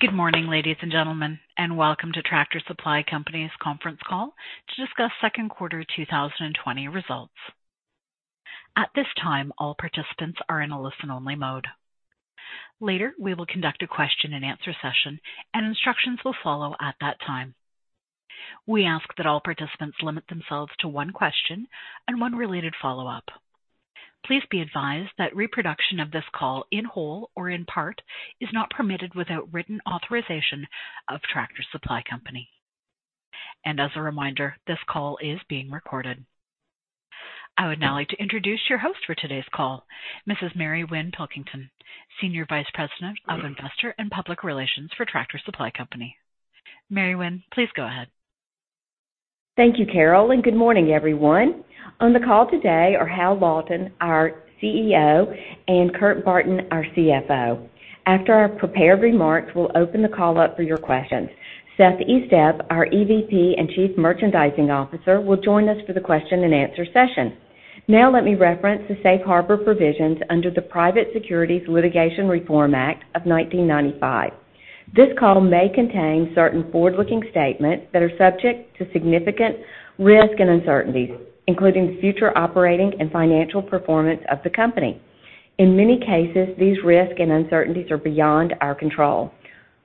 Good morning, ladies and gentlemen, and Welcome to Tractor Supply Company's conference call to discuss second quarter 2020 results. At this time, all participants are in a listen-only mode. Later, we will conduct a question and answer session, and instructions will follow at that time. We ask that all participants limit themselves to one question and one related follow-up. Please be advised that reproduction of this call in whole or in part is not permitted without written authorization of Tractor Supply Company. And as a reminder, this call is being recorded. I would now like to introduce your host for today's call, Mrs. Mary Winn Pilkington, Senior Vice President of Investor and Public Relations for Tractor Supply Company. Mary Winn, please go ahead. Thank you, Carol. Good morning, everyone. On the call today are Hal Lawton, our CEO, and Kurt Barton, our CFO. After our prepared remarks, we'll open the call up for your questions. Seth Estep, our EVP and Chief Merchandising Officer, will join us for the question and answer session. Now let me reference the safe harbor provisions under the Private Securities Litigation Reform Act of 1995. This call may contain certain forward-looking statements that are subject to significant risk and uncertainties, including the future operating and financial performance of the company. In many cases, these risks and uncertainties are beyond our control.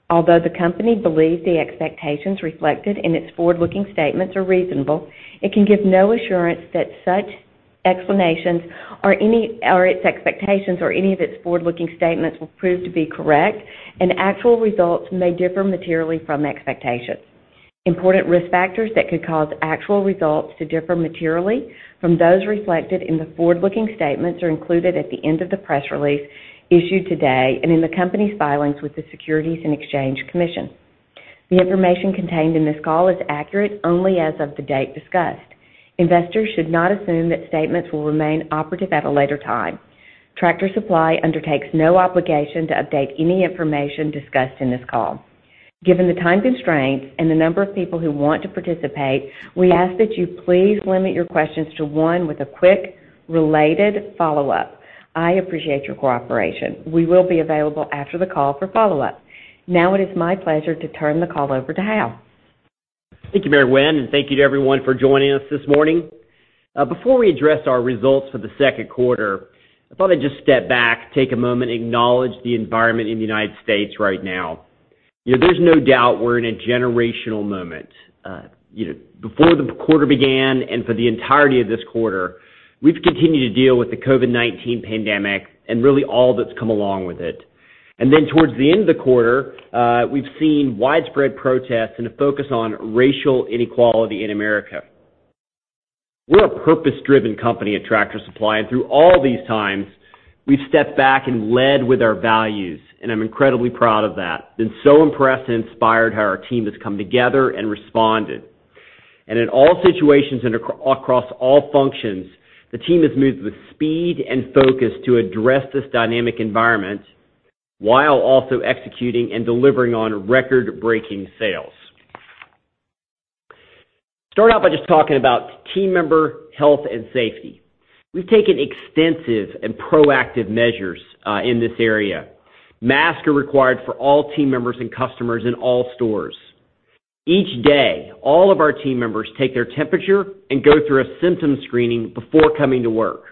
Although the company believes the expectations reflected in its forward-looking statements are reasonable, it can give no assurance that such expectations or its expectations or any of its forward-looking statements will prove to be correct, and actual results may differ materially from expectations. Important risk factors that could cause actual results to differ materially from those reflected in the forward-looking statements are included at the end of the press release issued today and in the company's filings with the Securities and Exchange Commission. The information contained in this call is accurate only as of the date discussed. Investors should not assume that statements will remain operative at a later time. Tractor Supply undertakes no obligation to update any information discussed on this call. Given the time constraint and the number of people who want to participate, we ask that you please limit your questions to one with a quick, related follow-up. I appreciate your cooperation. We will be available after the call for follow-up. Now it is my pleasure to turn the call over to Hal. Thank you, Mary Winn, and thank you to everyone for joining us this morning. Before we address our results for the second quarter, I thought I'd just step back, take a moment, acknowledge the environment in the United States right now. There's no doubt we're in a generational moment. Before the quarter began and for the entirety of this quarter, we've continued to deal with the COVID-19 pandemic and really all that's come along with it. Towards the end of the quarter, we've seen widespread protests and a focus on racial inequality in America. We're a purpose-driven company at Tractor Supply, and through all these times, we've stepped back and led with our values, and I'm incredibly proud of that. I've been so impressed and inspired how our team has come together and responded. In all situations and across all functions, the team has moved with speed and focus to address this dynamic environment while also executing and delivering on record-breaking sales. Start out by just talking about team member health and safety. We've taken extensive and proactive measures in this area. Masks are required for all team members and customers in all stores. Each day, all of our team members take their temperature and go through a symptom screening before coming to work.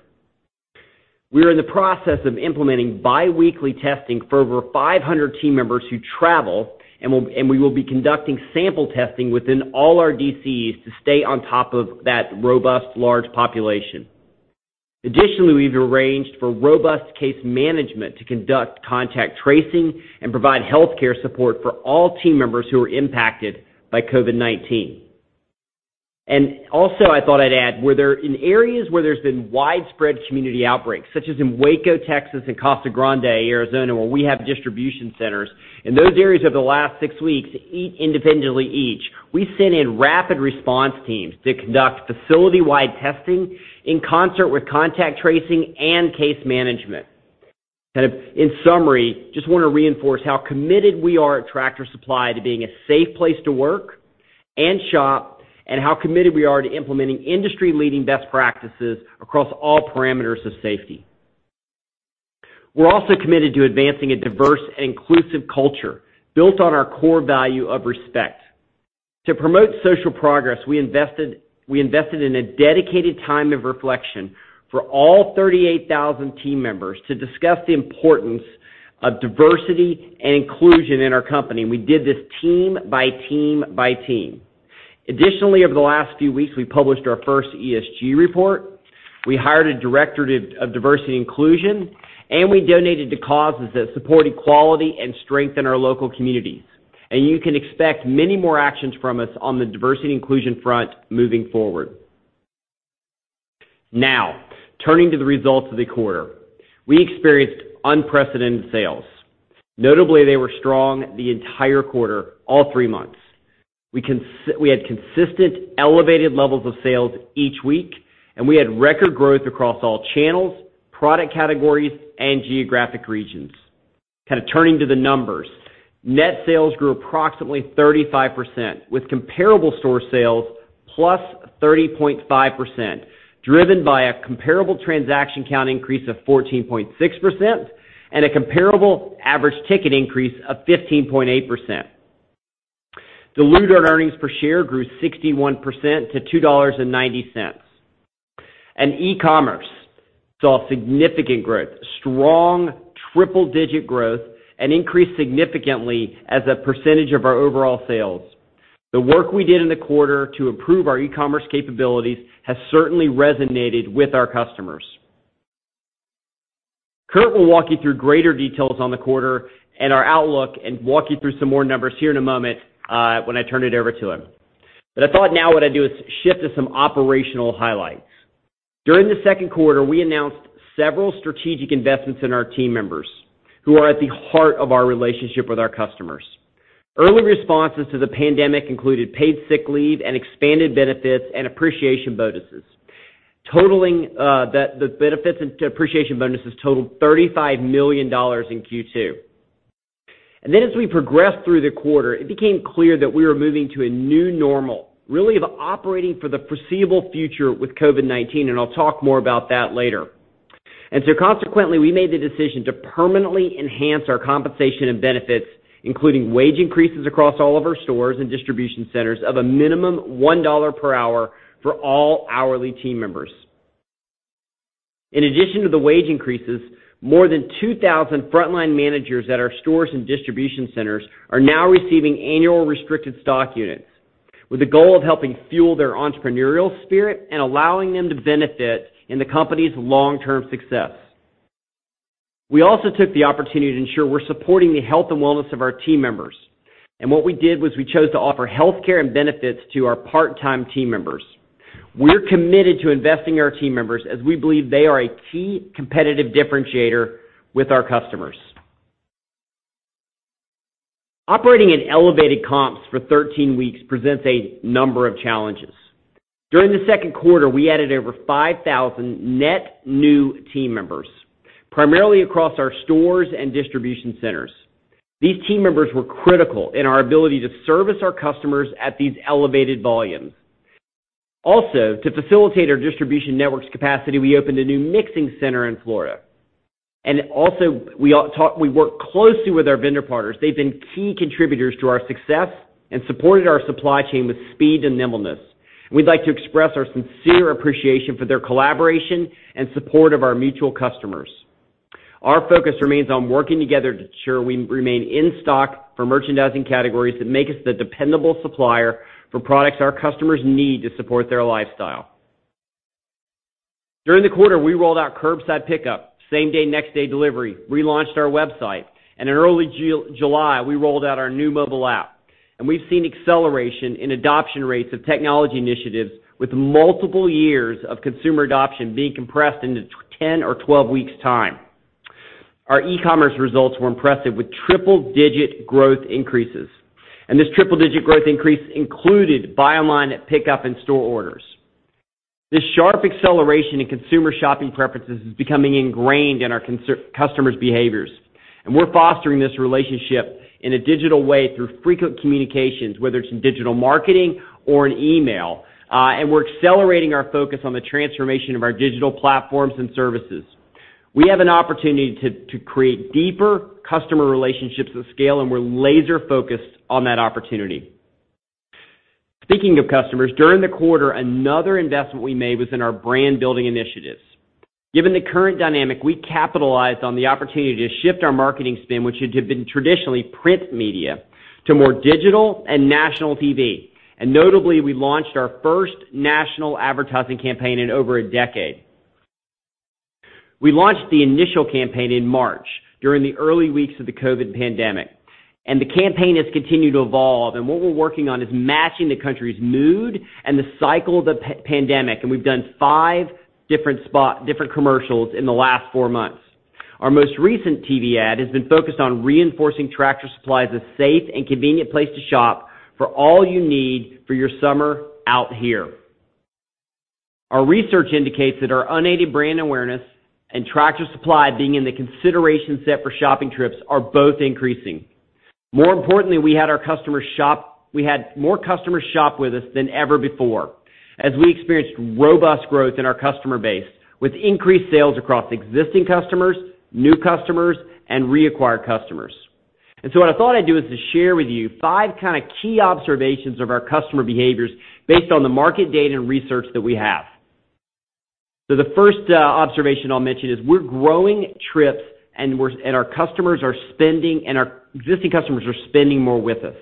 We are in the process of implementing biweekly testing for over 500 team members who travel, and we will be conducting sample testing within all our DCs to stay on top of that robust, large population. Additionally, we've arranged for robust case management to conduct contact tracing and provide healthcare support for all team members who are impacted by COVID-19. Also, I thought I'd add, in areas where there's been widespread community outbreaks, such as in Waco, Texas, and Casa Grande, Arizona, where we have distribution centers. In those areas over the last six weeks, independently each, we sent in rapid response teams to conduct facility-wide testing in concert with contact tracing and case management. In summary, just want to reinforce how committed we are at Tractor Supply to being a safe place to work and shop, and how committed we are to implementing industry-leading best practices across all parameters of safety. We're also committed to advancing a diverse and inclusive culture built on our core value of respect. To promote social progress, we invested in a dedicated time of reflection for all 38,000 team members to discuss the importance of diversity and inclusion in our company. We did this team by team by team. Additionally, over the last few weeks, we published our first ESG report. We hired a director of diversity and inclusion, and we donated to causes that support equality and strengthen our local communities. You can expect many more actions from us on the diversity and inclusion front moving forward. Turning to the results of the quarter. We experienced unprecedented sales. Notably, they were strong the entire quarter, all three months. We had consistent, elevated levels of sales each week, and we had record growth across all channels, product categories, and geographic regions. Turning to the numbers. Net sales grew approximately 35%, with comparable store sales +30.5%, driven by a comparable transaction count increase of 14.6% and a comparable average ticket increase of 15.8%. Diluted earnings per share grew 61% to $2.90. E-commerce saw significant growth, strong triple-digit growth, and increased significantly as a percentage of our overall sales. The work we did in the quarter to improve our e-commerce capabilities has certainly resonated with our customers. Kurt will walk you through greater details on the quarter and our outlook and walk you through some more numbers here in a moment when I turn it over to him. I thought now what I'd do is shift to some operational highlights. During the second quarter, we announced several strategic investments in our team members who are at the heart of our relationship with our customers. Early responses to the pandemic included paid sick leave and expanded benefits and appreciation bonuses. The benefits and appreciation bonuses totaled $35 million in Q2. As we progressed through the quarter, it became clear that we were moving to a new normal, really of operating for the foreseeable future with COVID-19, and I'll talk more about that later. Consequently, we made the decision to permanently enhance our compensation and benefits, including wage increases across all of our stores and distribution centers of a minimum $1 per hour for all hourly team members. In addition to the wage increases, more than 2,000 frontline managers at our stores and distribution centers are now receiving annual restricted stock units with the goal of helping fuel their entrepreneurial spirit and allowing them to benefit in the company's long-term success. We also took the opportunity to ensure we're supporting the health and wellness of our team members. What we did was we chose to offer healthcare and benefits to our part-time team members. We're committed to investing in our team members as we believe they are a key competitive differentiator with our customers. Operating in elevated comps for 13 weeks presents a number of challenges. During the second quarter, we added over 5,000 net new team members, primarily across our stores and distribution centers. These team members were critical in our ability to service our customers at these elevated volumes. To facilitate our distribution network's capacity, we opened a new mixing center in Florida. We work closely with our vendor partners. They've been key contributors to our success and supported our supply chain with speed and nimbleness. We'd like to express our sincere appreciation for their collaboration and support of our mutual customers. Our focus remains on working together to ensure we remain in stock for merchandising categories that make us the dependable supplier for products our customers need to support their lifestyle. During the quarter, we rolled out curbside pickup, same-day, next-day delivery, relaunched our website, in early July, we rolled out our new mobile app. We've seen acceleration in adoption rates of technology initiatives with multiple years of consumer adoption being compressed into 10 or 12 weeks time. Our e-commerce results were impressive, with triple-digit growth increases. This triple-digit growth increase included buy online and pick up in store orders. This sharp acceleration in consumer shopping preferences is becoming ingrained in our customers' behaviors, and we're fostering this relationship in a digital way through frequent communications, whether it's in digital marketing or in email. We're accelerating our focus on the transformation of our digital platforms and services. We have an opportunity to create deeper customer relationships at scale, and we're laser focused on that opportunity. Speaking of customers, during the quarter, another investment we made was in our brand-building initiatives. Given the current dynamic, we capitalized on the opportunity to shift our marketing spend, which had been traditionally print media, to more digital and national TV. Notably, we launched our first national advertising campaign in over a decade. We launched the initial campaign in March during the early weeks of the COVID-19 pandemic, and the campaign has continued to evolve. What we're working on is matching the country's mood and the cycle of the pandemic, and we've done five different commercials in the last four months. Our most recent TV ad has been focused on reinforcing Tractor Supply Company as a safe and convenient place to shop for all you need for your summer out here. Our research indicates that our unaided brand awareness and Tractor Supply Company being in the consideration set for shopping trips are both increasing. More importantly, we had more customers shop with us than ever before as we experienced robust growth in our customer base with increased sales across existing customers, new customers, and reacquired customers. What I thought I'd do is to share with you five kind of key observations of our customer behaviors based on the market data and research that we have. The first observation I'll mention is we're growing trips and our existing customers are spending more with us.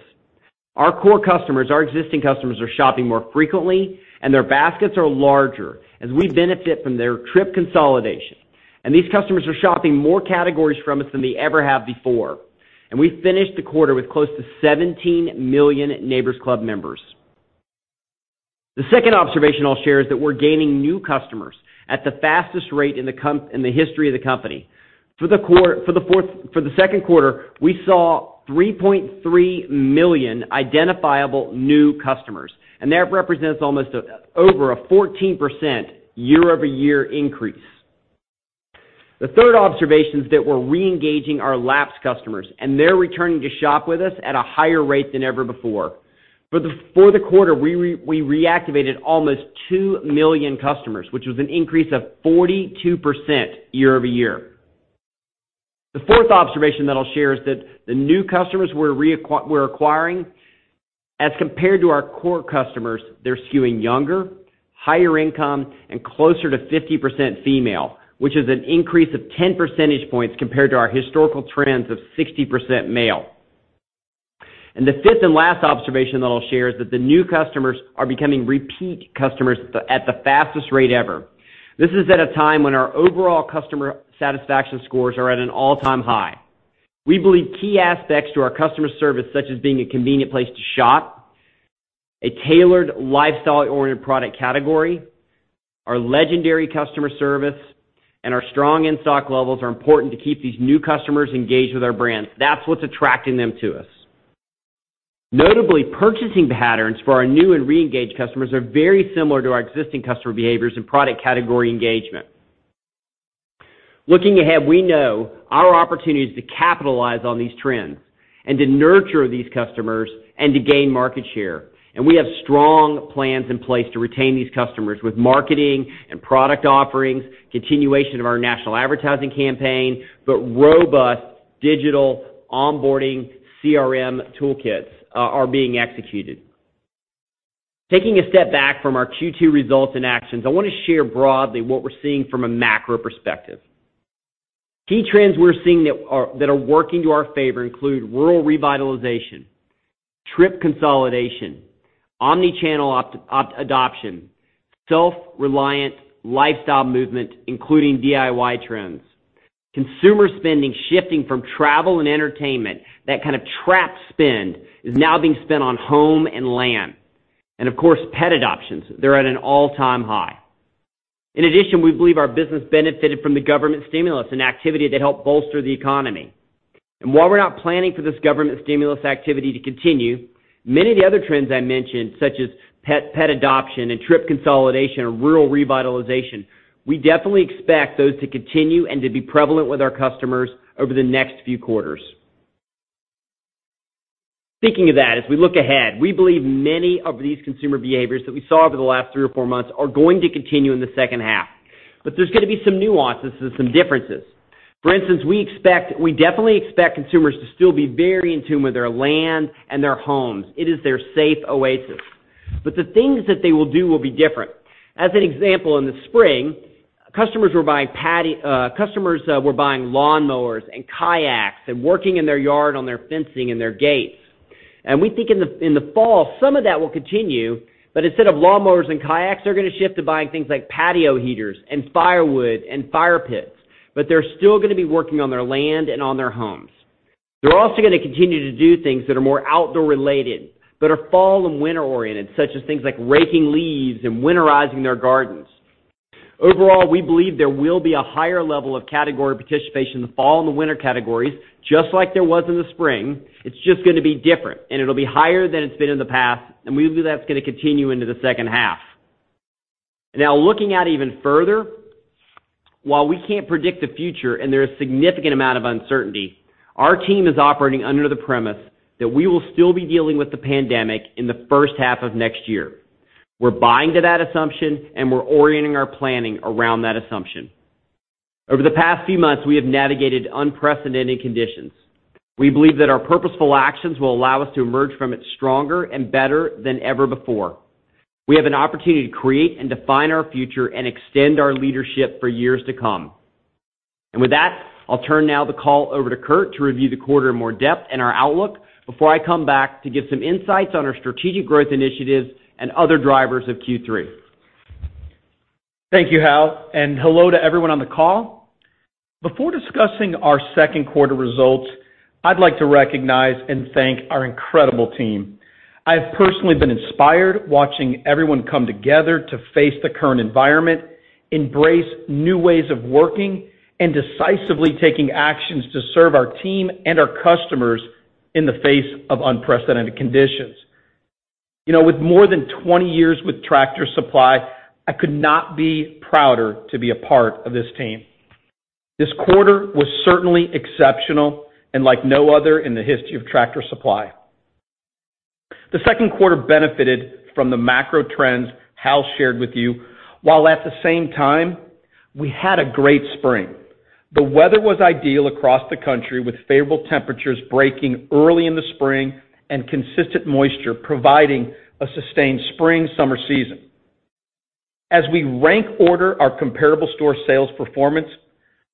Our core customers, our existing customers, are shopping more frequently, and their baskets are larger as we benefit from their trip consolidation. These customers are shopping more categories from us than they ever have before. We finished the quarter with close to 17 million Neighbor's Club members. The second observation I'll share is that we're gaining new customers at the fastest rate in the history of the company. For the second quarter, we saw 3.3 million identifiable new customers, and that represents almost over a 14% year-over-year increase. The third observation is that we're reengaging our lapsed customers, and they're returning to shop with us at a higher rate than ever before. For the quarter, we reactivated almost 2 million customers, which was an increase of 42% year-over-year. The fourth observation that I'll share is that the new customers we're acquiring, as compared to our core customers, they're skewing younger, higher income, and closer to 50% female, which is an increase of 10 percentage points compared to our historical trends of 60% male. The fifth and last observation that I'll share is that the new customers are becoming repeat customers at the fastest rate ever. This is at a time when our overall customer satisfaction scores are at an all-time high. We believe key aspects to our customer service, such as being a convenient place to shop, a tailored lifestyle-oriented product category, our legendary customer service, and our strong in-stock levels are important to keep these new customers engaged with our brand. That's what's attracting them to us. Notably, purchasing patterns for our new and reengaged customers are very similar to our existing customer behaviors and product category engagement. Looking ahead, we know our opportunity is to capitalize on these trends and to nurture these customers and to gain market share. We have strong plans in place to retain these customers with marketing and product offerings, continuation of our national advertising campaign, robust digital onboarding CRM toolkits are being executed. Taking a step back from our Q2 results and actions, I want to share broadly what we're seeing from a macro perspective. Key trends we're seeing that are working to our favor include rural revitalization, trip consolidation, omni-channel adoption, self-reliant lifestyle movement, including DIY trends, consumer spending shifting from travel and entertainment. That kind of trip spend is now being spent on home and land. Of course, pet adoptions, they're at an all-time high. In addition, we believe our business benefited from the government stimulus and activity that helped bolster the economy. While we're not planning for this government stimulus activity to continue, many of the other trends I mentioned, such as pet adoption and trip consolidation or rural revitalization, we definitely expect those to continue and to be prevalent with our customers over the next few quarters. Speaking of that, as we look ahead, we believe many of these consumer behaviors that we saw over the last three or four months are going to continue in the second half, there's going to be some nuances and some differences. For instance, we definitely expect consumers to still be very in tune with their land and their homes. It is their safe oasis. The things that they will do will be different. As an example, in the spring, customers were buying lawnmowers and kayaks and working in their yard on their fencing and their gates. We think in the fall, some of that will continue, but instead of lawnmowers and kayaks, they're going to shift to buying things like patio heaters and firewood and fire pits, but they're still going to be working on their land and on their homes. They're also going to continue to do things that are more outdoor related, but are fall and winter oriented, such as things like raking leaves and winterizing their gardens. Overall, we believe there will be a higher level of category participation in the fall and the winter categories, just like there was in the spring. It's just going to be different, and it'll be higher than it's been in the past, and we believe that's going to continue into the second half. Looking out even further, while we can't predict the future and there is significant amount of uncertainty, our team is operating under the premise that we will still be dealing with the pandemic in the first half of next year. We're buying to that assumption, and we're orienting our planning around that assumption. Over the past few months, we have navigated unprecedented conditions. We believe that our purposeful actions will allow us to emerge from it stronger and better than ever before. We have an opportunity to create and define our future and extend our leadership for years to come. With that, I'll turn now the call over to Kurt to review the quarter in more depth and our outlook before I come back to give some insights on our strategic growth initiatives and other drivers of Q3. Thank you, Hal, and hello to everyone on the call. Before discussing our second quarter results, I'd like to recognize and thank our incredible team. I have personally been inspired watching everyone come together to face the current environment, embrace new ways of working, and decisively taking actions to serve our team and our customers in the face of unprecedented conditions. With more than 20 years with Tractor Supply, I could not be prouder to be a part of this team. This quarter was certainly exceptional and like no other in the history of Tractor Supply. The second quarter benefited from the macro trends Hal shared with you, while at the same time, we had a great spring. The weather was ideal across the country, with favorable temperatures breaking early in the spring and consistent moisture providing a sustained spring-summer season. As we rank order our comparable store sales performance,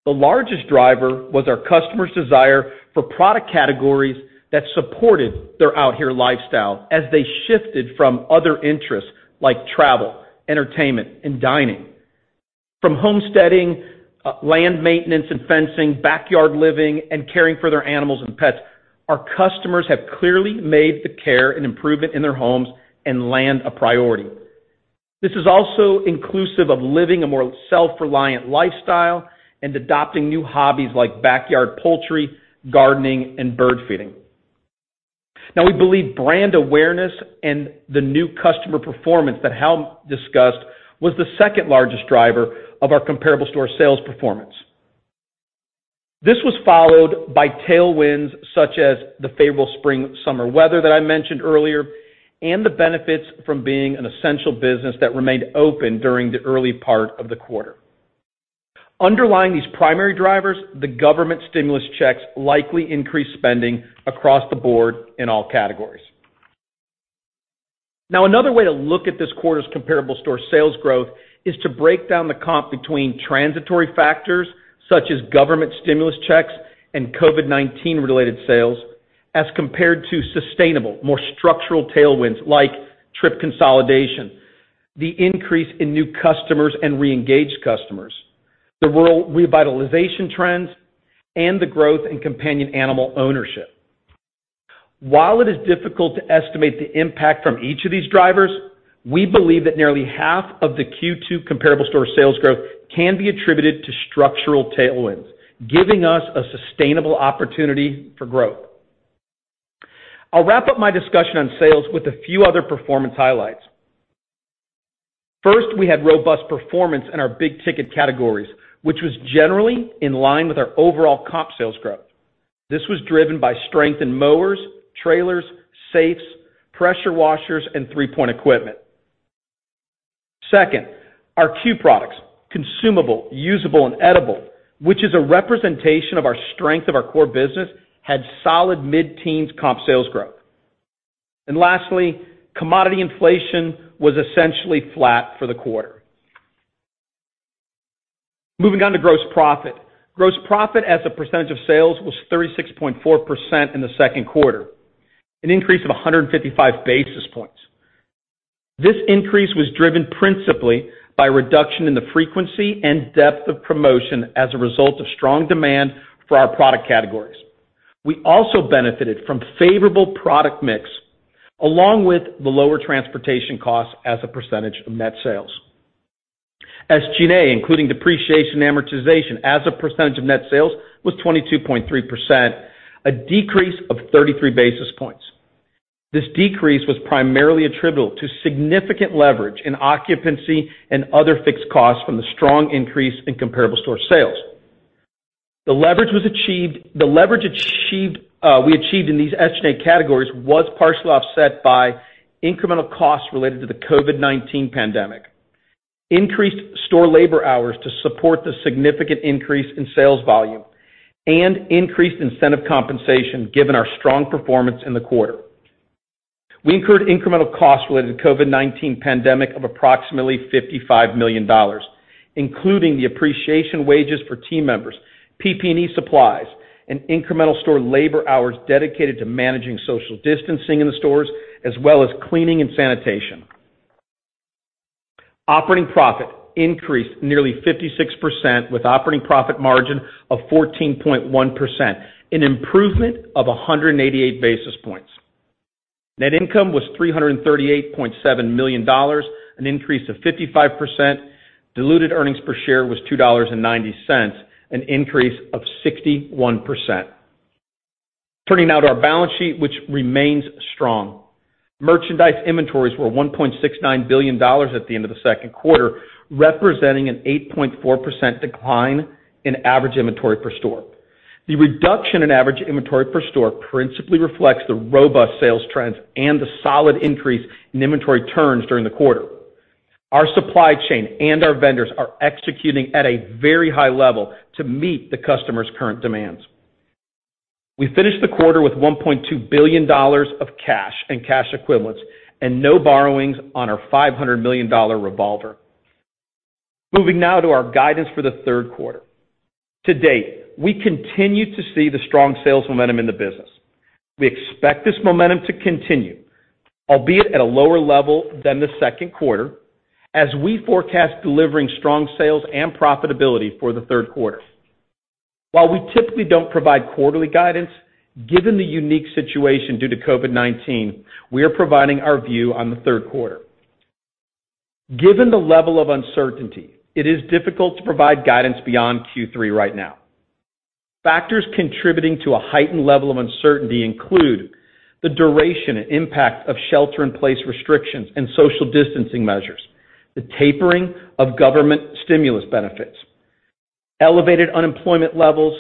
the largest driver was our customers' desire for product categories that supported their out here lifestyle as they shifted from other interests like travel, entertainment, and dining. From homesteading, land maintenance and fencing, backyard living, and caring for their animals and pets, our customers have clearly made the care and improvement in their homes and land a priority. This is also inclusive of living a more self-reliant lifestyle and adopting new hobbies like backyard poultry, gardening, and bird feeding. We believe brand awareness and the new customer performance that Hal discussed was the second largest driver of our comparable store sales performance. This was followed by tailwinds such as the favorable spring, summer weather that I mentioned earlier, and the benefits from being an essential business that remained open during the early part of the quarter. Underlying these primary drivers, the government stimulus checks likely increased spending across the board in all categories. Now, another way to look at this quarter's comparable store sales growth is to break down the comp between transitory factors such as government stimulus checks and COVID-19 related sales, as compared to sustainable, more structural tailwinds like trip consolidation, the increase in new customers and reengaged customers, the rural revitalization trends, and the growth in companion animal ownership. While it is difficult to estimate the impact from each of these drivers, we believe that nearly half of the Q2 comparable store sales growth can be attributed to structural tailwinds, giving us a sustainable opportunity for growth. I'll wrap up my discussion on sales with a few other performance highlights. First, we had robust performance in our big-ticket categories, which was generally in line with our overall comp sales growth. This was driven by strength in mowers, trailers, safes, pressure washers, and three-point equipment. Second, our C.U.E. products, Consumable, Usable, and Edible, which is a representation of our strength of our core business, had solid mid-teens comp sales growth. Lastly, commodity inflation was essentially flat for the quarter. Moving on to gross profit. Gross profit as a percentage of sales was 36.4% in the second quarter, an increase of 155 basis points. This increase was driven principally by a reduction in the frequency and depth of promotion as a result of strong demand for our product categories. We also benefited from favorable product mix, along with the lower transportation costs as a percentage of net sales. SG&A, including depreciation and amortization, as a percentage of net sales was 22.3%, a decrease of 33 basis points. This decrease was primarily attributable to significant leverage in occupancy and other fixed costs from the strong increase in comparable store sales. The leverage we achieved in these SG&A categories was partially offset by incremental costs related to the COVID-19 pandemic, increased store labor hours to support the significant increase in sales volume, and increased incentive compensation given our strong performance in the quarter. We incurred incremental costs related to COVID-19 pandemic of approximately $55 million, including the appreciation wages for team members, PP&E supplies, and incremental store labor hours dedicated to managing social distancing in the stores, as well as cleaning and sanitation. Operating profit increased nearly 56% with operating profit margin of 14.1%, an improvement of 188 basis points. Net income was $338.7 million, an increase of 55%. Diluted earnings per share was $2.90, an increase of 61%. Turning now to our balance sheet, which remains strong. Merchandise inventories were $1.69 billion at the end of the second quarter, representing an 8.4% decline in average inventory per store. The reduction in average inventory per store principally reflects the robust sales trends and the solid increase in inventory turns during the quarter. Our supply chain and our vendors are executing at a very high level to meet the customers' current demands. We finished the quarter with $1.2 billion of cash and cash equivalents and no borrowings on our $500 million revolver. Moving now to our guidance for the third quarter. To date, we continue to see the strong sales momentum in the business. We expect this momentum to continue, albeit at a lower level than the second quarter, as we forecast delivering strong sales and profitability for the third quarter. While we typically don't provide quarterly guidance, given the unique situation due to COVID-19, we are providing our view on the third quarter. Given the level of uncertainty, it is difficult to provide guidance beyond Q3 right now. Factors contributing to a heightened level of uncertainty include the duration and impact of shelter-in-place restrictions and social distancing measures, the tapering of government stimulus benefits, elevated unemployment levels,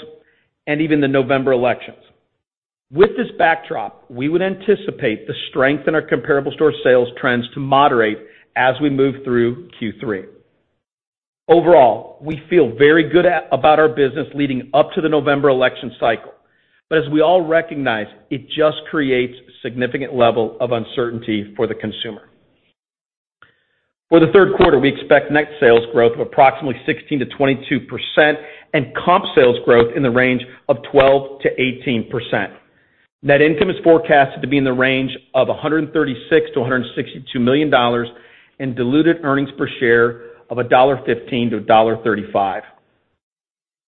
and even the November elections. With this backdrop, we would anticipate the strength in our comparable store sales trends to moderate as we move through Q3. Overall we feel very good about our business leading up to the November election cycle. As we all recognize, it just creates significant level of uncertainty for the consumer. For the third quarter, we expect net sales growth of approximately 16%-22% and comp sales growth in the range of 12%-18%. Net income is forecasted to be in the range of $136 million-$162 million and diluted earnings per share of $1.15-$1.35.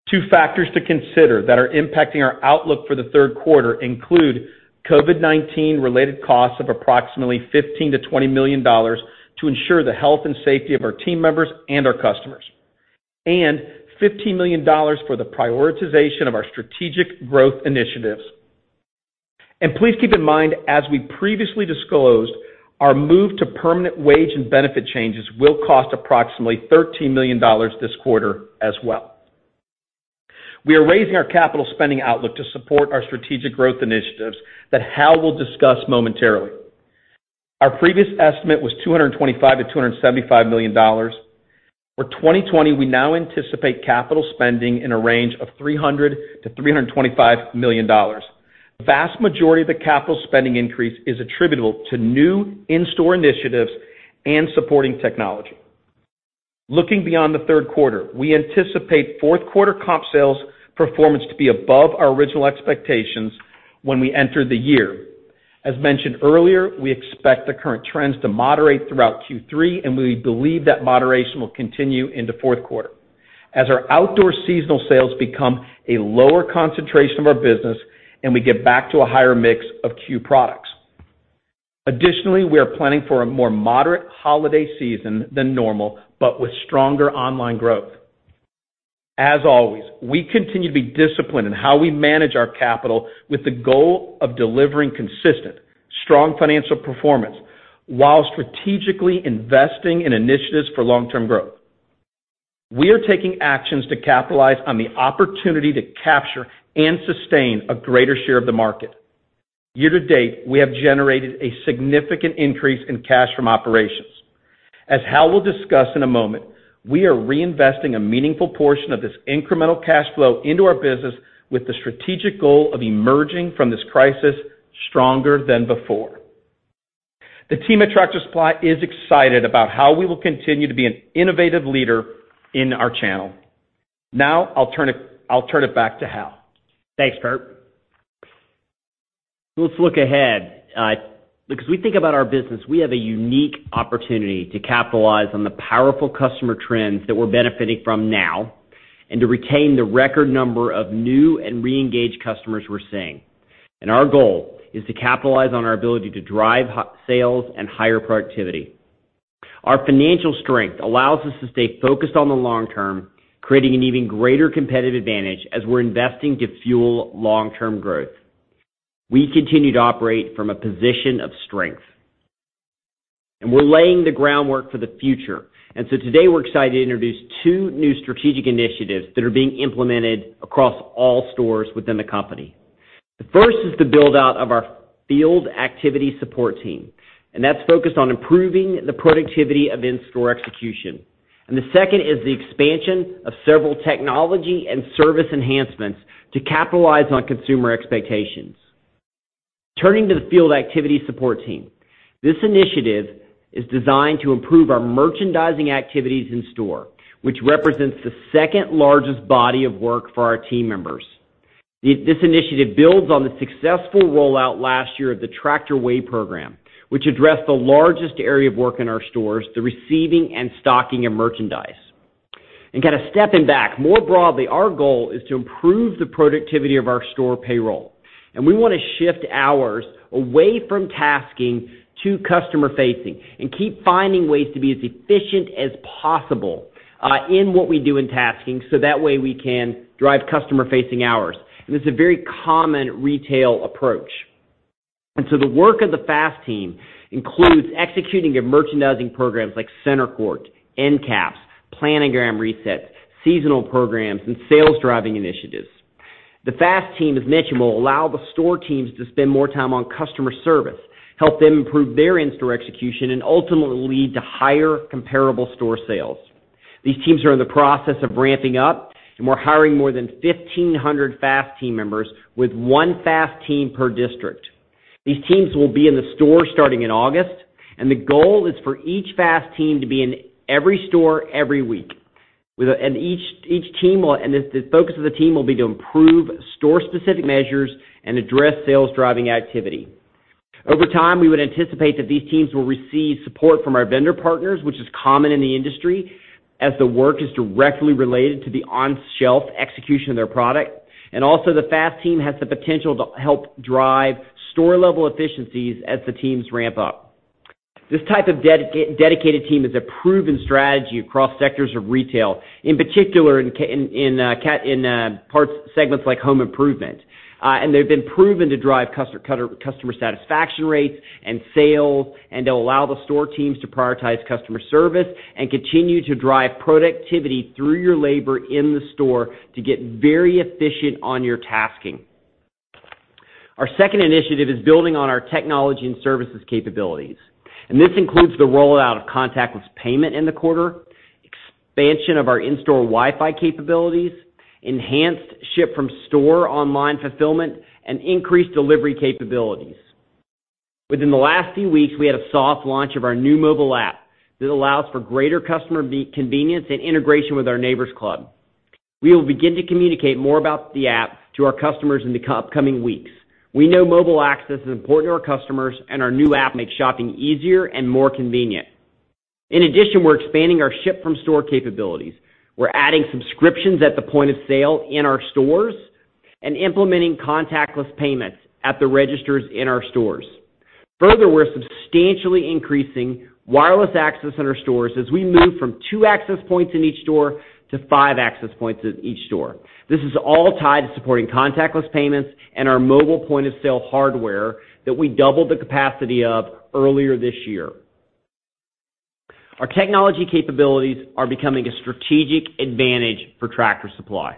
Two factors to consider that are impacting our outlook for the third quarter include COVID-19 related costs of approximately $15 million-$20 million to ensure the health and safety of our team members and our customers. $15 million for the prioritization of our strategic growth initiatives. Please keep in mind, as we previously disclosed, our move to permanent wage and benefit changes will cost approximately $13 million this quarter as well. We are raising our capital spending outlook to support our strategic growth initiatives that Hal will discuss momentarily. Our previous estimate was $225 million-$275 million. For 2020, we now anticipate capital spending in a range of $300 million-$325 million. Vast majority of the capital spending increase is attributable to new in-store initiatives and supporting technology. Looking beyond the third quarter, we anticipate fourth quarter comp sales performance to be above our original expectations when we enter the year. As mentioned earlier, we expect the current trends to moderate throughout Q3, and we believe that moderation will continue into fourth quarter, as our outdoor seasonal sales become a lower concentration of our business and we get back to a higher mix of CUE products. Additionally, we are planning for a more moderate holiday season than normal, but with stronger online growth. As always, we continue to be disciplined in how we manage our capital with the goal of delivering consistent, strong financial performance while strategically investing in initiatives for long-term growth. We are taking actions to capitalize on the opportunity to capture and sustain a greater share of the market. Year to date, we have generated a significant increase in cash from operations. As Hal will discuss in a moment, we are reinvesting a meaningful portion of this incremental cash flow into our business with the strategic goal of emerging from this crisis stronger than before. The team at Tractor Supply is excited about how we will continue to be an innovative leader in our channel. I'll turn it back to Hal. Thanks, Kurt. Let's look ahead. We think about our business, we have a unique opportunity to capitalize on the powerful customer trends that we're benefiting from now and to retain the record number of new and reengaged customers we're seeing. Our goal is to capitalize on our ability to drive sales and higher productivity. Our financial strength allows us to stay focused on the long term, creating an even greater competitive advantage as we're investing to fuel long-term growth. We continue to operate from a position of strength, we're laying the groundwork for the future. Today, we're excited to introduce two new strategic initiatives that are being implemented across all stores within the company. The first is the build-out of our field activity support team, that's focused on improving the productivity of in-store execution. The second is the expansion of several technology and service enhancements to capitalize on consumer expectations. Turning to the field activity support team. This initiative is designed to improve our merchandising activities in-store, which represents the second-largest body of work for our team members. This initiative builds on the successful rollout last year of the Tractor Way program, which addressed the largest area of work in our stores, the receiving and stocking of merchandise. Kind of stepping back, more broadly, our goal is to improve the productivity of our store payroll. We want to shift hours away from tasking to customer-facing and keep finding ways to be as efficient as possible in what we do in tasking, so that way we can drive customer-facing hours. It's a very common retail approach. The work of the FAST team includes executing the merchandising programs like Center Court, NCAP, planogram resets, seasonal programs, and sales-driving initiatives. The FAST team, as mentioned, will allow the store teams to spend more time on customer service, help them improve their in-store execution, and ultimately lead to higher comparable store sales. These teams are in the process of ramping up, and we're hiring more than 1,500 FAST team members with one FAST team per district. These teams will be in the store starting in August, and the goal is for each FAST team to be in every store every week. The focus of the team will be to improve store-specific measures and address sales-driving activity. Over time, we would anticipate that these teams will receive support from our vendor partners, which is common in the industry, as the work is directly related to the on-shelf execution of their product. Also, the FAST team has the potential to help drive store-level efficiencies as the teams ramp up. This type of dedicated team is a proven strategy across sectors of retail, in particular in segments like home improvement. They've been proven to drive customer satisfaction rates and sales, and they'll allow the store teams to prioritize customer service and continue to drive productivity through your labor in the store to get very efficient on your tasking. Our second initiative is building on our technology and services capabilities, this includes the rollout of contactless payment in the quarter, expansion of our in-store Wi-Fi capabilities, enhanced ship-from-store online fulfillment, and increased delivery capabilities. Within the last few weeks, we had a soft launch of our new mobile app that allows for greater customer convenience and integration with our Neighbor's Club. We will begin to communicate more about the app to our customers in the upcoming weeks. We know mobile access is important to our customers, and our new app makes shopping easier and more convenient. In addition, we're expanding our ship-from-store capabilities. We're adding subscriptions at the point of sale in our stores and implementing contactless payments at the registers in our stores. Further, we're substantially increasing wireless access in our stores as we move from two access points in each store to five access points at each store. This is all tied to supporting contactless payments and our mobile point-of-sale hardware that we doubled the capacity of earlier this year. Our technology capabilities are becoming a strategic advantage for Tractor Supply.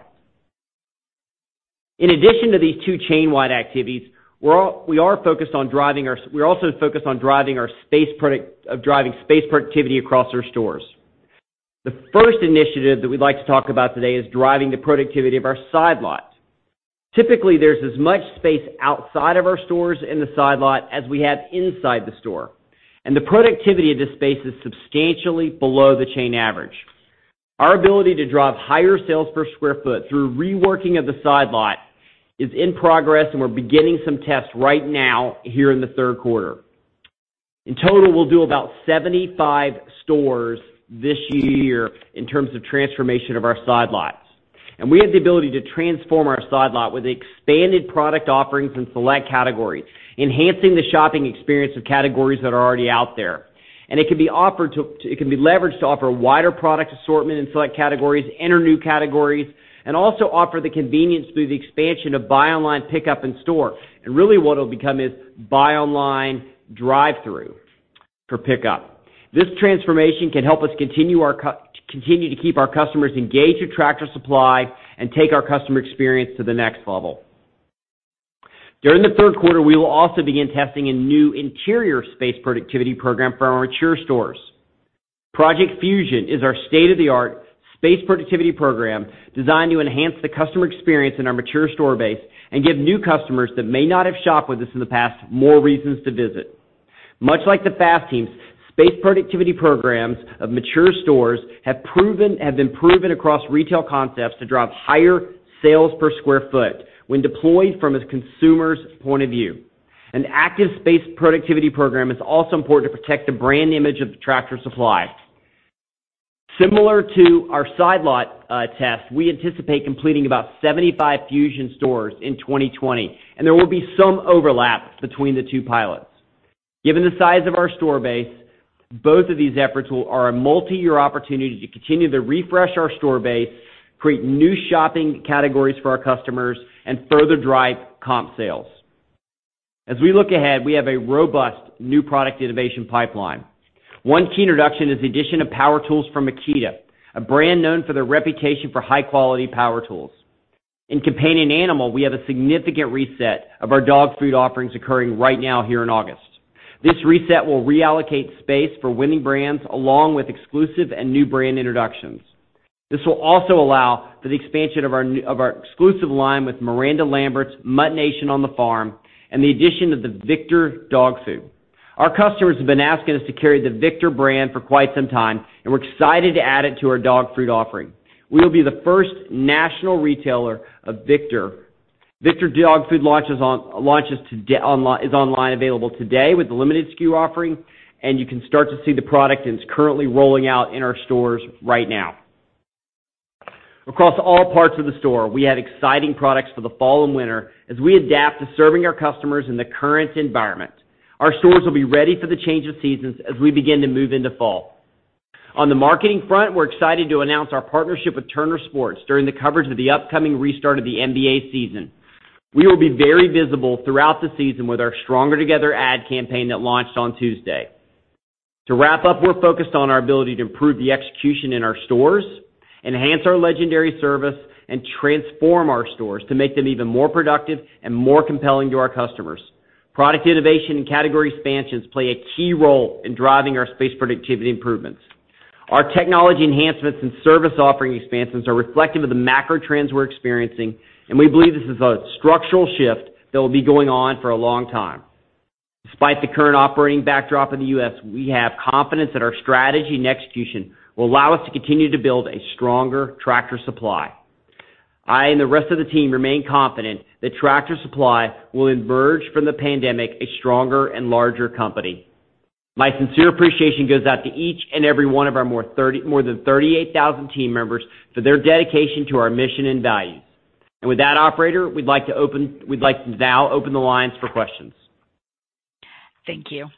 In addition to these two chain-wide activities, we're also focused on driving space productivity across our stores. The first initiative that we'd like to talk about today is driving the productivity of our side lot. Typically, there's as much space outside of our stores in the side lot as we have inside the store, and the productivity of this space is substantially below the chain average. Our ability to drive higher sales per square foot through reworking of the side lot is in progress, and we're beginning some tests right now here in the third quarter. In total, we'll do about 75 stores this year in terms of transformation of our side lots. We have the ability to transform our side lot with expanded product offerings in select categories, enhancing the shopping experience of categories that are already out there. It can be leveraged to offer a wider product assortment in select categories, enter new categories, and also offer the convenience through the expansion of buy online, pickup in store. Really what it'll become is buy online, drive-through for pickup. This transformation can help us continue to keep our customers engaged with Tractor Supply and take our customer experience to the next level. During the third quarter, we will also begin testing a new interior space productivity program for our mature stores. Project Fusion is our state-of-the-art space productivity program designed to enhance the customer experience in our mature store base and give new customers that may not have shopped with us in the past more reasons to visit. Much like the FAST teams, space productivity programs of mature stores have been proven across retail concepts to drive higher sales per square foot when deployed from a consumer's point of view. An active space productivity program is also important to protect the brand image of Tractor Supply. Similar to our side lot test, we anticipate completing about 75 Fusion stores in 2020. There will be some overlap between the two pilots. Given the size of our store base, both of these efforts are a multi-year opportunity to continue to refresh our store base, create new shopping categories for our customers, and further drive comparable sales. As we look ahead, we have a robust new product innovation pipeline. One key introduction is the addition of power tools from Makita, a brand known for their reputation for high-quality power tools. In companion animal, we have a significant reset of our dog food offerings occurring right now here in August. This reset will reallocate space for winning brands, along with exclusive and new brand introductions. The addition of the Victor dog food. Our customers have been asking us to carry the Victor brand for quite some time. We're excited to add it to our dog food offering. We will be the first national retailer of Victor. Victor dog food is online available today with a limited SKU offering. You can start to see the product, and it's currently rolling out in our stores right now. Across all parts of the store, we have exciting products for the fall and winter as we adapt to serving our customers in the current environment. Our stores will be ready for the change of seasons as we begin to move into fall. On the marketing front, we're excited to announce our partnership with Turner Sports during the coverage of the upcoming restart of the NBA season. We will be very visible throughout the season with our Stronger Together ad campaign that launched on Tuesday. To wrap up, we're focused on our ability to improve the execution in our stores, enhance our legendary service, and transform our stores to make them even more productive and more compelling to our customers. Product innovation and category expansions play a key role in driving our space productivity improvements. Our technology enhancements and service offering expansions are reflective of the macro trends we're experiencing, and we believe this is a structural shift that will be going on for a long time. Despite the current operating backdrop in the U.S., we have confidence that our strategy and execution will allow us to continue to build a stronger Tractor Supply. I and the rest of the team remain confident that Tractor Supply will emerge from the pandemic a stronger and larger company. My sincere appreciation goes out to each and every one of our more than 38,000 team members for their dedication to our mission and values. With that, operator, we'd like to now open the lines for questions. Thank you.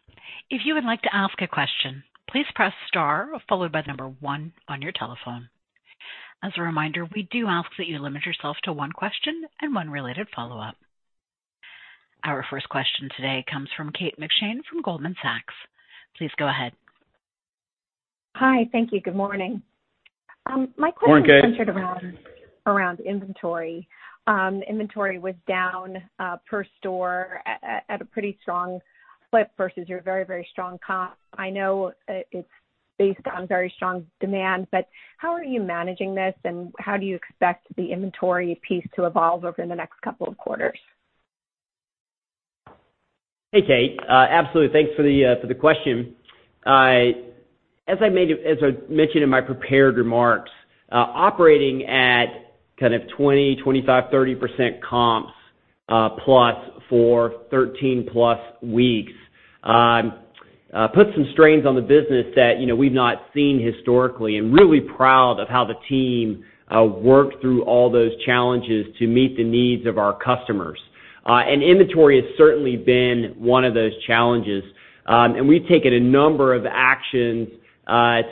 If you would like to ask a question, please press star followed by one on your telephone. As a reminder, we do ask that you limit yourself to one question and one related follow-up. Our first question today comes from Kate McShane from Goldman Sachs. Please go ahead. Hi. Thank you. Good morning. Good morning, Kate. My question is centered around inventory. Inventory was down per store at a pretty strong clip versus your very, very strong comparable. I know it's based on very strong demand, how are you managing this, and how do you expect the inventory piece to evolve over the next couple of quarters? Hey, Kate. Absolutely. Thanks for the question. As I mentioned in my prepared remarks, operating at kind of 20%, 25%, 30% Comparables Plus for 13+ weeks. Put some strains on the business that we've not seen historically. Really proud of how the team worked through all those challenges to meet the needs of our customers. Inventory has certainly been one of those challenges. We've taken a number of actions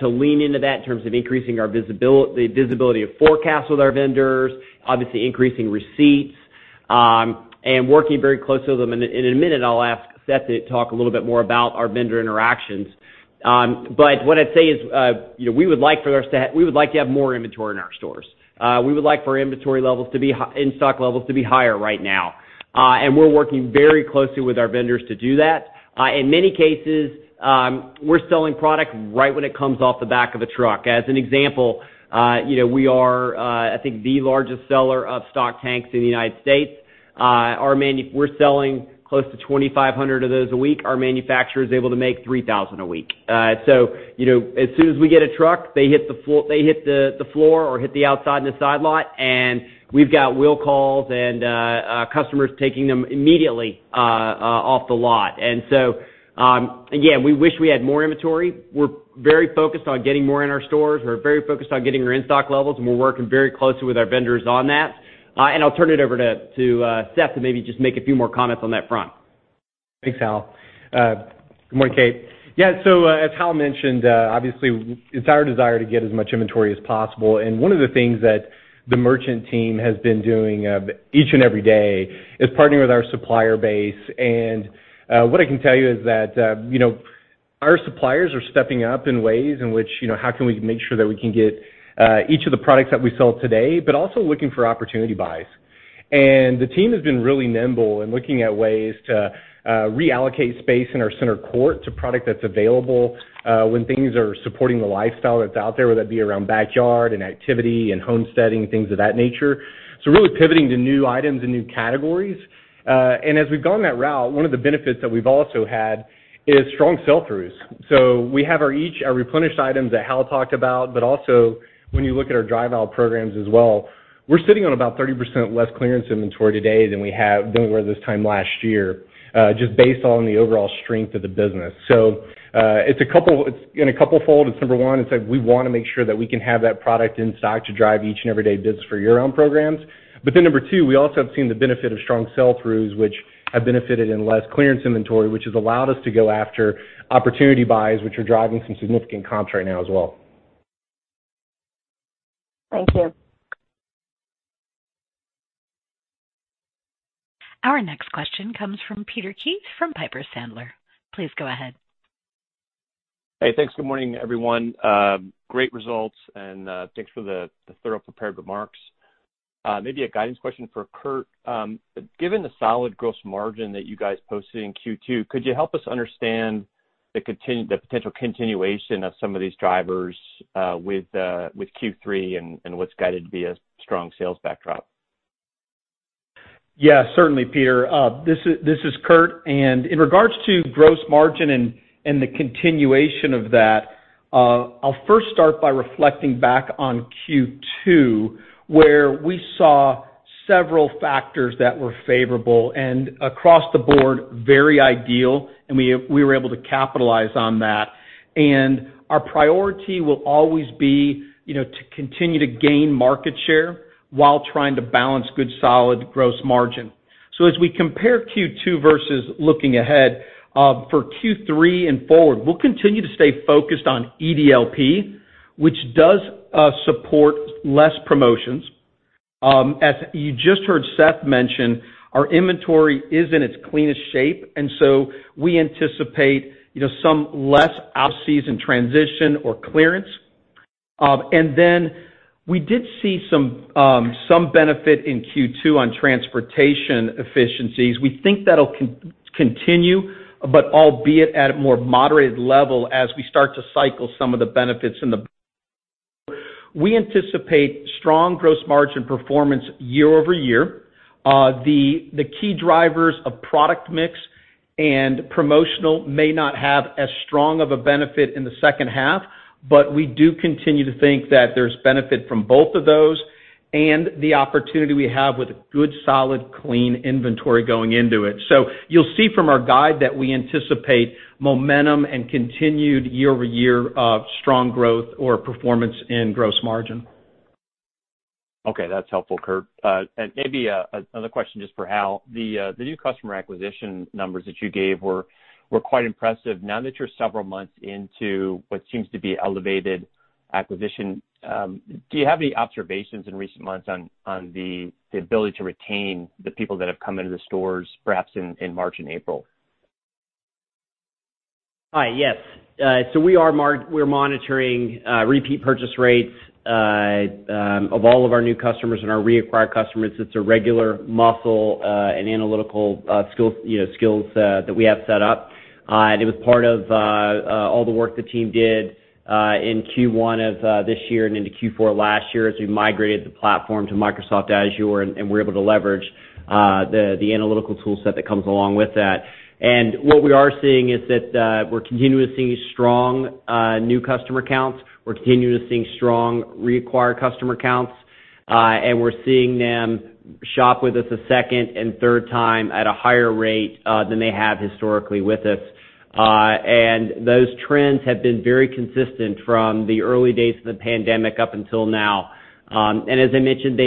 to lean into that in terms of increasing the visibility of forecasts with our vendors, obviously increasing receipts, and working very closely with them. In a minute, I'll ask Seth to talk a little bit more about our vendor interactions. What I'd say is we would like to have more inventory in our stores. We would like for in-stock levels to be higher right now. We're working very closely with our vendors to do that. In many cases, we're selling product right when it comes off the back of a truck. As an example, we are, I think, the largest seller of stock tanks in the United States. We're selling close to 2,500 of those a week. Our manufacturer is able to make 3,000 a week. As soon as we get a truck, they hit the floor or hit the outside in the side lot, we've got will calls and customers taking them immediately off the lot. Again, we wish we had more inventory. We're very focused on getting more in our stores. We're very focused on getting our in-stock levels, we're working very closely with our vendors on that. I'll turn it over to Seth to maybe just make a few more comments on that front. Thanks, Hal. Good morning, Kate. As Hal mentioned, obviously it's our desire to get as much inventory as possible. One of the things that the merchant team has been doing each and every day is partnering with our supplier base. What I can tell you is that our suppliers are stepping up in ways in which, how can we make sure that we can get each of the products that we sell today, but also looking for opportunity buys. The team has been really nimble in looking at ways to reallocate space in our Center Court to product that's available when things are supporting the lifestyle that's out there, whether that be around backyard and activity and homesteading, things of that nature. Really pivoting to new items and new categories. As we've gone that route, one of the benefits that we've also had is strong sell-throughs. We have our replenished items that Hal talked about, but also when you look at our drive aisle programs as well, we're sitting on about 30% less clearance inventory today than we were this time last year, just based on the overall strength of the business. In a couple fold, it's number one, it's like we want to make sure that we can have that product in stock to drive each and every day business for year-end programs. Number two, we also have seen the benefit of strong sell-throughs, which have benefited in less clearance inventory, which has allowed us to go after opportunity buys, which are driving some significant comps right now as well. Thank you. Our next question comes from Peter Keith from Piper Sandler. Please go ahead. Hey, thanks. Good morning, everyone. Great results and thanks for the thorough prepared remarks. Maybe a guidance question for Kurt. Given the solid gross margin that you guys posted in Q2, could you help us understand the potential continuation of some of these drivers with Q3 and what's guided to be a strong sales backdrop? Yeah, certainly, Peter. This is Kurt. In regards to gross margin and the continuation of that, I'll first start by reflecting back on Q2, where we saw several factors that were favorable and across the board very ideal, and we were able to capitalize on that. Our priority will always be to continue to gain market share while trying to balance good, solid gross margin. As we compare Q2 versus looking ahead for Q3 and forward, we'll continue to stay focused on EDLP, which does support less promotions. As you just heard Seth mention, our inventory is in its cleanest shape, we anticipate some less out-season transition or clearance. Then we did see some benefit in Q2 on transportation efficiencies. We think that'll continue, but albeit at a more moderate level as we start to cycle some of the benefits. We anticipate strong gross margin performance year-over-year. The key drivers of product mix and promotional may not have as strong of a benefit in the second half, but we do continue to think that there's benefit from both of those and the opportunity we have with good, solid, clean inventory going into it. You'll see from our guide that we anticipate momentum and continued year-over-year strong growth or performance in gross margin. Okay. That's helpful, Kurt. Maybe another question just for Hal. The new customer acquisition numbers that you gave were quite impressive. Now that you're several months into what seems to be elevated acquisition, do you have any observations in recent months on the ability to retain the people that have come into the stores, perhaps in March and April? Yes. We are monitoring repeat purchase rates of all of our new customers and our reacquired customers. It's a regular muscle and analytical skills that we have set up. It was part of all the work the team did in Q1 of this year and into Q4 last year as we migrated the platform to Microsoft Azure and were able to leverage the analytical tool set that comes along with that. What we are seeing is that we're continuing to see strong new customer counts. We're continuing to see strong reacquire customer counts. We're seeing them shop with us a second and third time at a higher rate than they have historically with us. Those trends have been very consistent from the early days of the pandemic up until now. As I mentioned,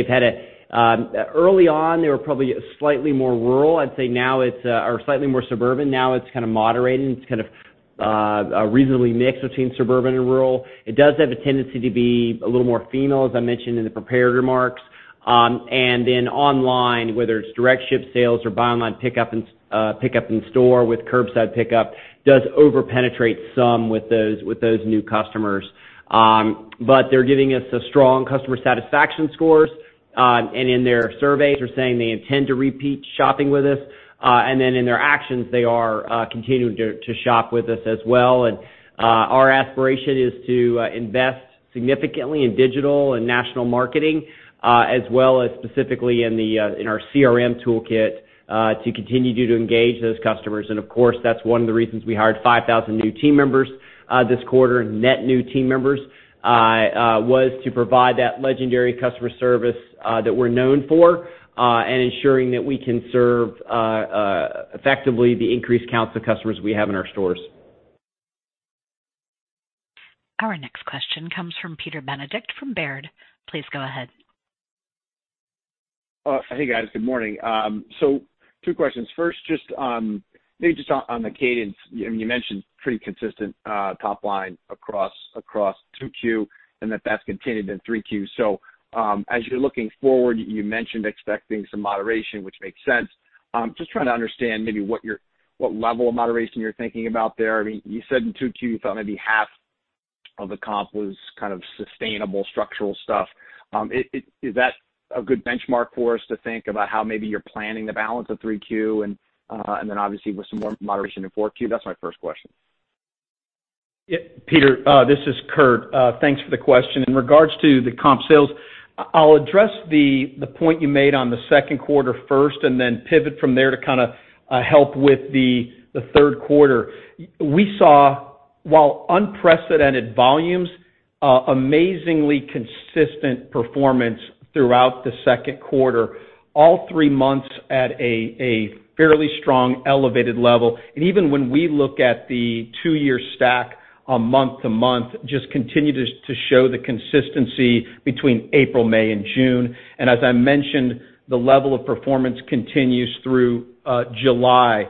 early on, they were probably slightly more rural, I'd say now it's slightly more suburban. Now it's kind of moderating. It's kind of reasonably mixed between suburban and rural. It does have a tendency to be a little more female, as I mentioned in the prepared remarks. Online, whether it's direct ship sales or buy online pickup in store with curbside pickup, does over-penetrate some with those new customers. They're giving us strong customer satisfaction scores. In their surveys, they're saying they intend to repeat shopping with us. In their actions, they are continuing to shop with us as well. Our aspiration is to invest significantly in digital and national marketing, as well as specifically in our CRM toolkit, to continue to engage those customers. Of course, that's one of the reasons we hired 5,000 new team members this quarter, net new team members, was to provide that legendary customer service that we're known for, and ensuring that we can serve effectively the increased counts of customers we have in our stores. Our next question comes from Peter Benedict from Robert W. Baird & Co. Please go ahead. Hey, guys. Good morning. Two questions. First, maybe just on the cadence. You mentioned pretty consistent top line across 2Q, and that that's continued in 3Q. As you're looking forward, you mentioned expecting some moderation, which makes sense. Just trying to understand maybe what level of moderation you're thinking about there. You said in 2Q, you thought maybe half of the comparable was kind of sustainable structural stuff. Is that a good benchmark for us to think about how maybe you're planning the balance of 3Q, and then obviously with some more moderation in 4Q? That's my first question. Peter, this is Kurt. Thanks for the question. In regards to the comp sales, I'll address the point you made on the second quarter first, and then pivot from there to kind of help with the third quarter. We saw, while unprecedented volumes, amazingly consistent performance throughout the second quarter, all three months at a fairly strong, elevated level. Even when we look at the two-year stack month-to-month, just continue to show the consistency between April, May, and June. As I mentioned, the level of performance continues through July.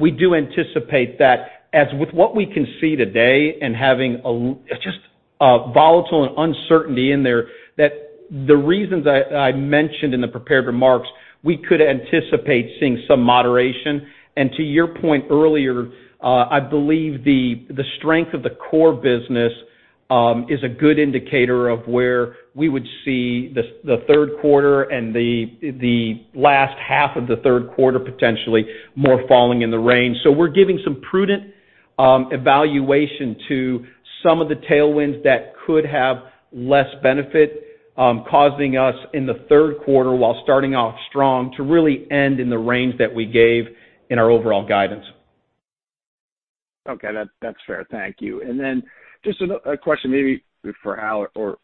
We do anticipate that as with what we can see today and having just volatile and uncertainty in there, that the reasons I mentioned in the prepared remarks, we could anticipate seeing some moderation. To your point earlier, I believe the strength of the core business is a good indicator of where we would see the third quarter and the last half of the third quarter, potentially, more falling in the range. We're giving some prudent evaluation to some of the tailwinds that could have less benefit, causing us in the third quarter, while starting off strong, to really end in the range that we gave in our overall guidance. Okay. That's fair. Thank you. Just a question maybe for Hal or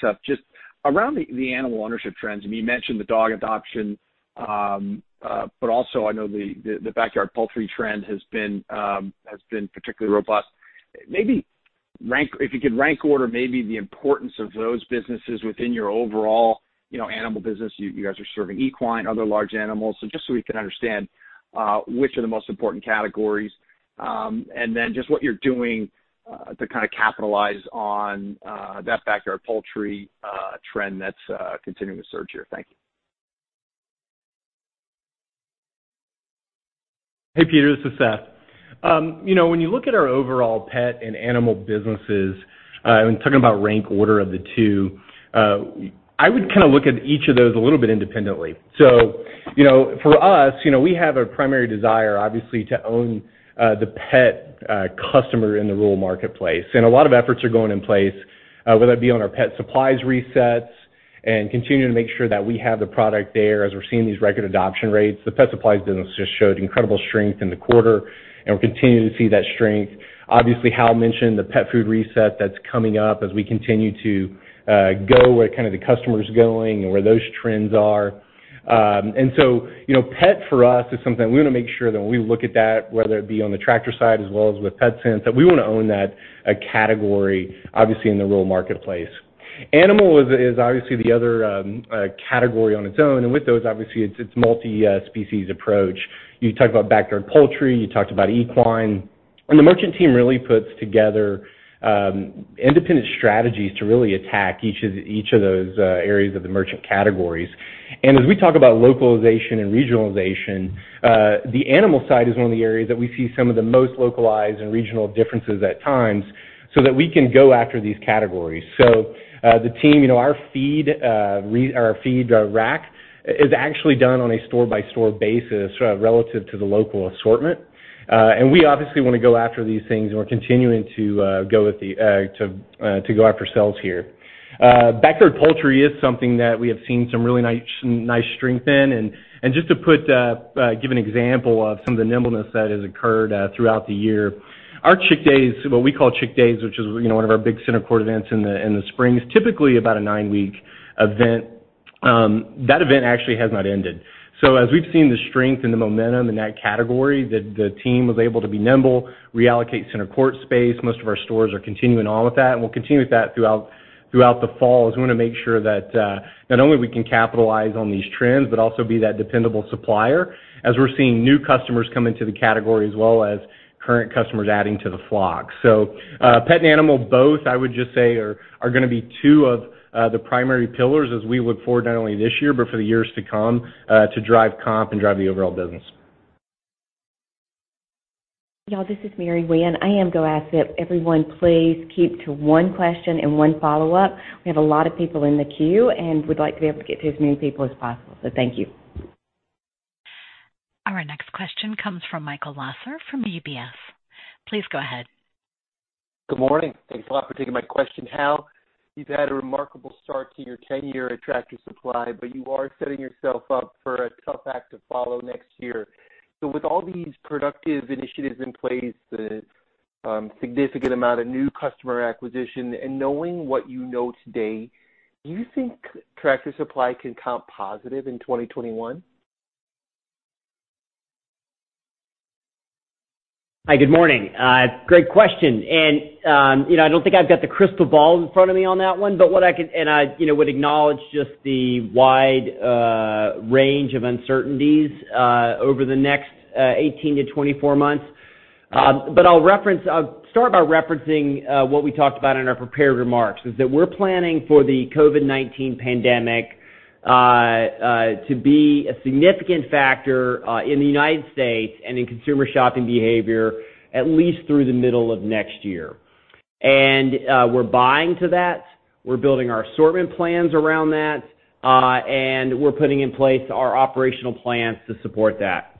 Seth, just around the animal ownership trends. You mentioned the dog adoption, also I know the backyard poultry trend has been particularly robust. If you could rank order maybe the importance of those businesses within your overall animal business. You guys are serving equine, other large animals. Just so we can understand which are the most important categories, just what you're doing to kind of capitalize on that backyard poultry trend that's continuing to surge here. Thank you. Hey, Peter, this is Seth. When you look at our overall pet and animal businesses, talking about rank order of the two, I would kind of look at each of those a little bit independently. For us, we have a primary desire, obviously, to own the pet customer in the rural marketplace. A lot of efforts are going in place, whether that be on our pet supplies resets and continuing to make sure that we have the product there as we're seeing these record adoption rates. The pet supplies business just showed incredible strength in the quarter, and we're continuing to see that strength. Obviously, Hal mentioned the pet food reset that's coming up as we continue to go where kind of the customer's going and where those trends are. Pet for us is something we want to make sure that when we look at that, whether it be on the tractor side as well as with Petsense, that we want to own that category, obviously, in the rural marketplace. Animal is obviously the other category on its own. With those, obviously, it's multi-species approach. You talked about backyard poultry, you talked about equine. The merchant team really puts together independent strategies to really attack each of those areas of the merchant categories. As we talk about localization and regionalization, the animal side is one of the areas that we see some of the most localized and regional differences at times, so that we can go after these categories. The team, our feed rack is actually done on a store-by-store basis relative to the local assortment. We obviously want to go after these things, and we're continuing to go after sales here. Backyard poultry is something that we have seen some really nice strength in. Just to give an example of some of the nimbleness that has occurred throughout the year. Our Chick Days, what we call Chick Days, which is one of our big Center Court events in the spring, is typically about a nine-week event. That event actually has not ended. As we've seen the strength and the momentum in that category, the team was able to be nimble, reallocate Center Court space. Most of our stores are continuing on with that. We'll continue with that throughout the fall, as we want to make sure that not only we can capitalize on these trends, but also be that dependable supplier as we're seeing new customers come into the category, as well as current customers adding to the flock. Pet and animal both, I would just say, are going to be two of the primary pillars as we look forward not only this year, but for the years to come, to drive comparable and drive the overall business. Y'all, this is Mary Winn. I am going to ask that everyone please keep to one question and one follow-up. We have a lot of people in the queue and would like to be able to get to as many people as possible. Thank you. Our next question comes from Michael Lasser from UBS. Please go ahead. Good morning. Thanks a lot for taking my question. Hal, you've had a remarkable start to your tenure at Tractor Supply, but you are setting yourself up for a tough act to follow next year. With all these productive initiatives in place, the significant amount of new customer acquisition, and knowing what you know today, do you think Tractor Supply can comparable positive in 2021? Hi, good morning. Great question. I don't think I've got the crystal ball in front of me on that one, and I would acknowledge just the wide range of uncertainties over the next 18-24 months. I'll start by referencing what we talked about in our prepared remarks, is that we're planning for the COVID-19 pandemic to be a significant factor in the United States and in consumer shopping behavior at least through the middle of next year. We're buying to that. We're building our assortment plans around that. We're putting in place our operational plans to support that.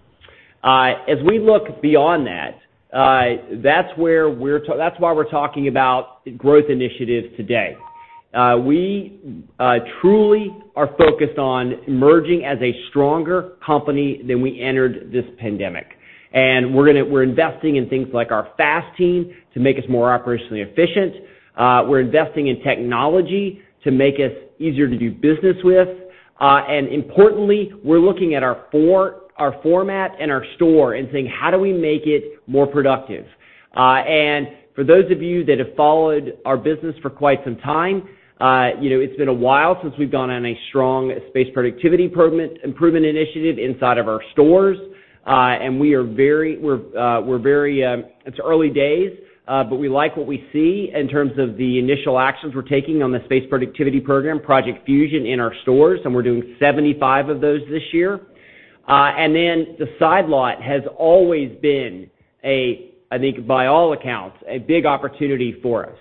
As we look beyond that's why we're talking about growth initiatives today. We truly are focused on emerging as a stronger company than we entered this pandemic. We're investing in things like our FAST team to make us more operationally efficient. We're investing in technology to make us easier to do business with. Importantly, we're looking at our format and our store and saying, "How do we make it more productive?" For those of you that have followed our business for quite some time, it's been a while since we've gone on a strong space productivity improvement initiative inside of our stores. It's early days, but we like what we see in terms of the initial actions we're taking on the space productivity program, Project Fusion, in our stores, and we're doing 75 of those this year. The side lot has always been a, I think by all accounts, a big opportunity for us.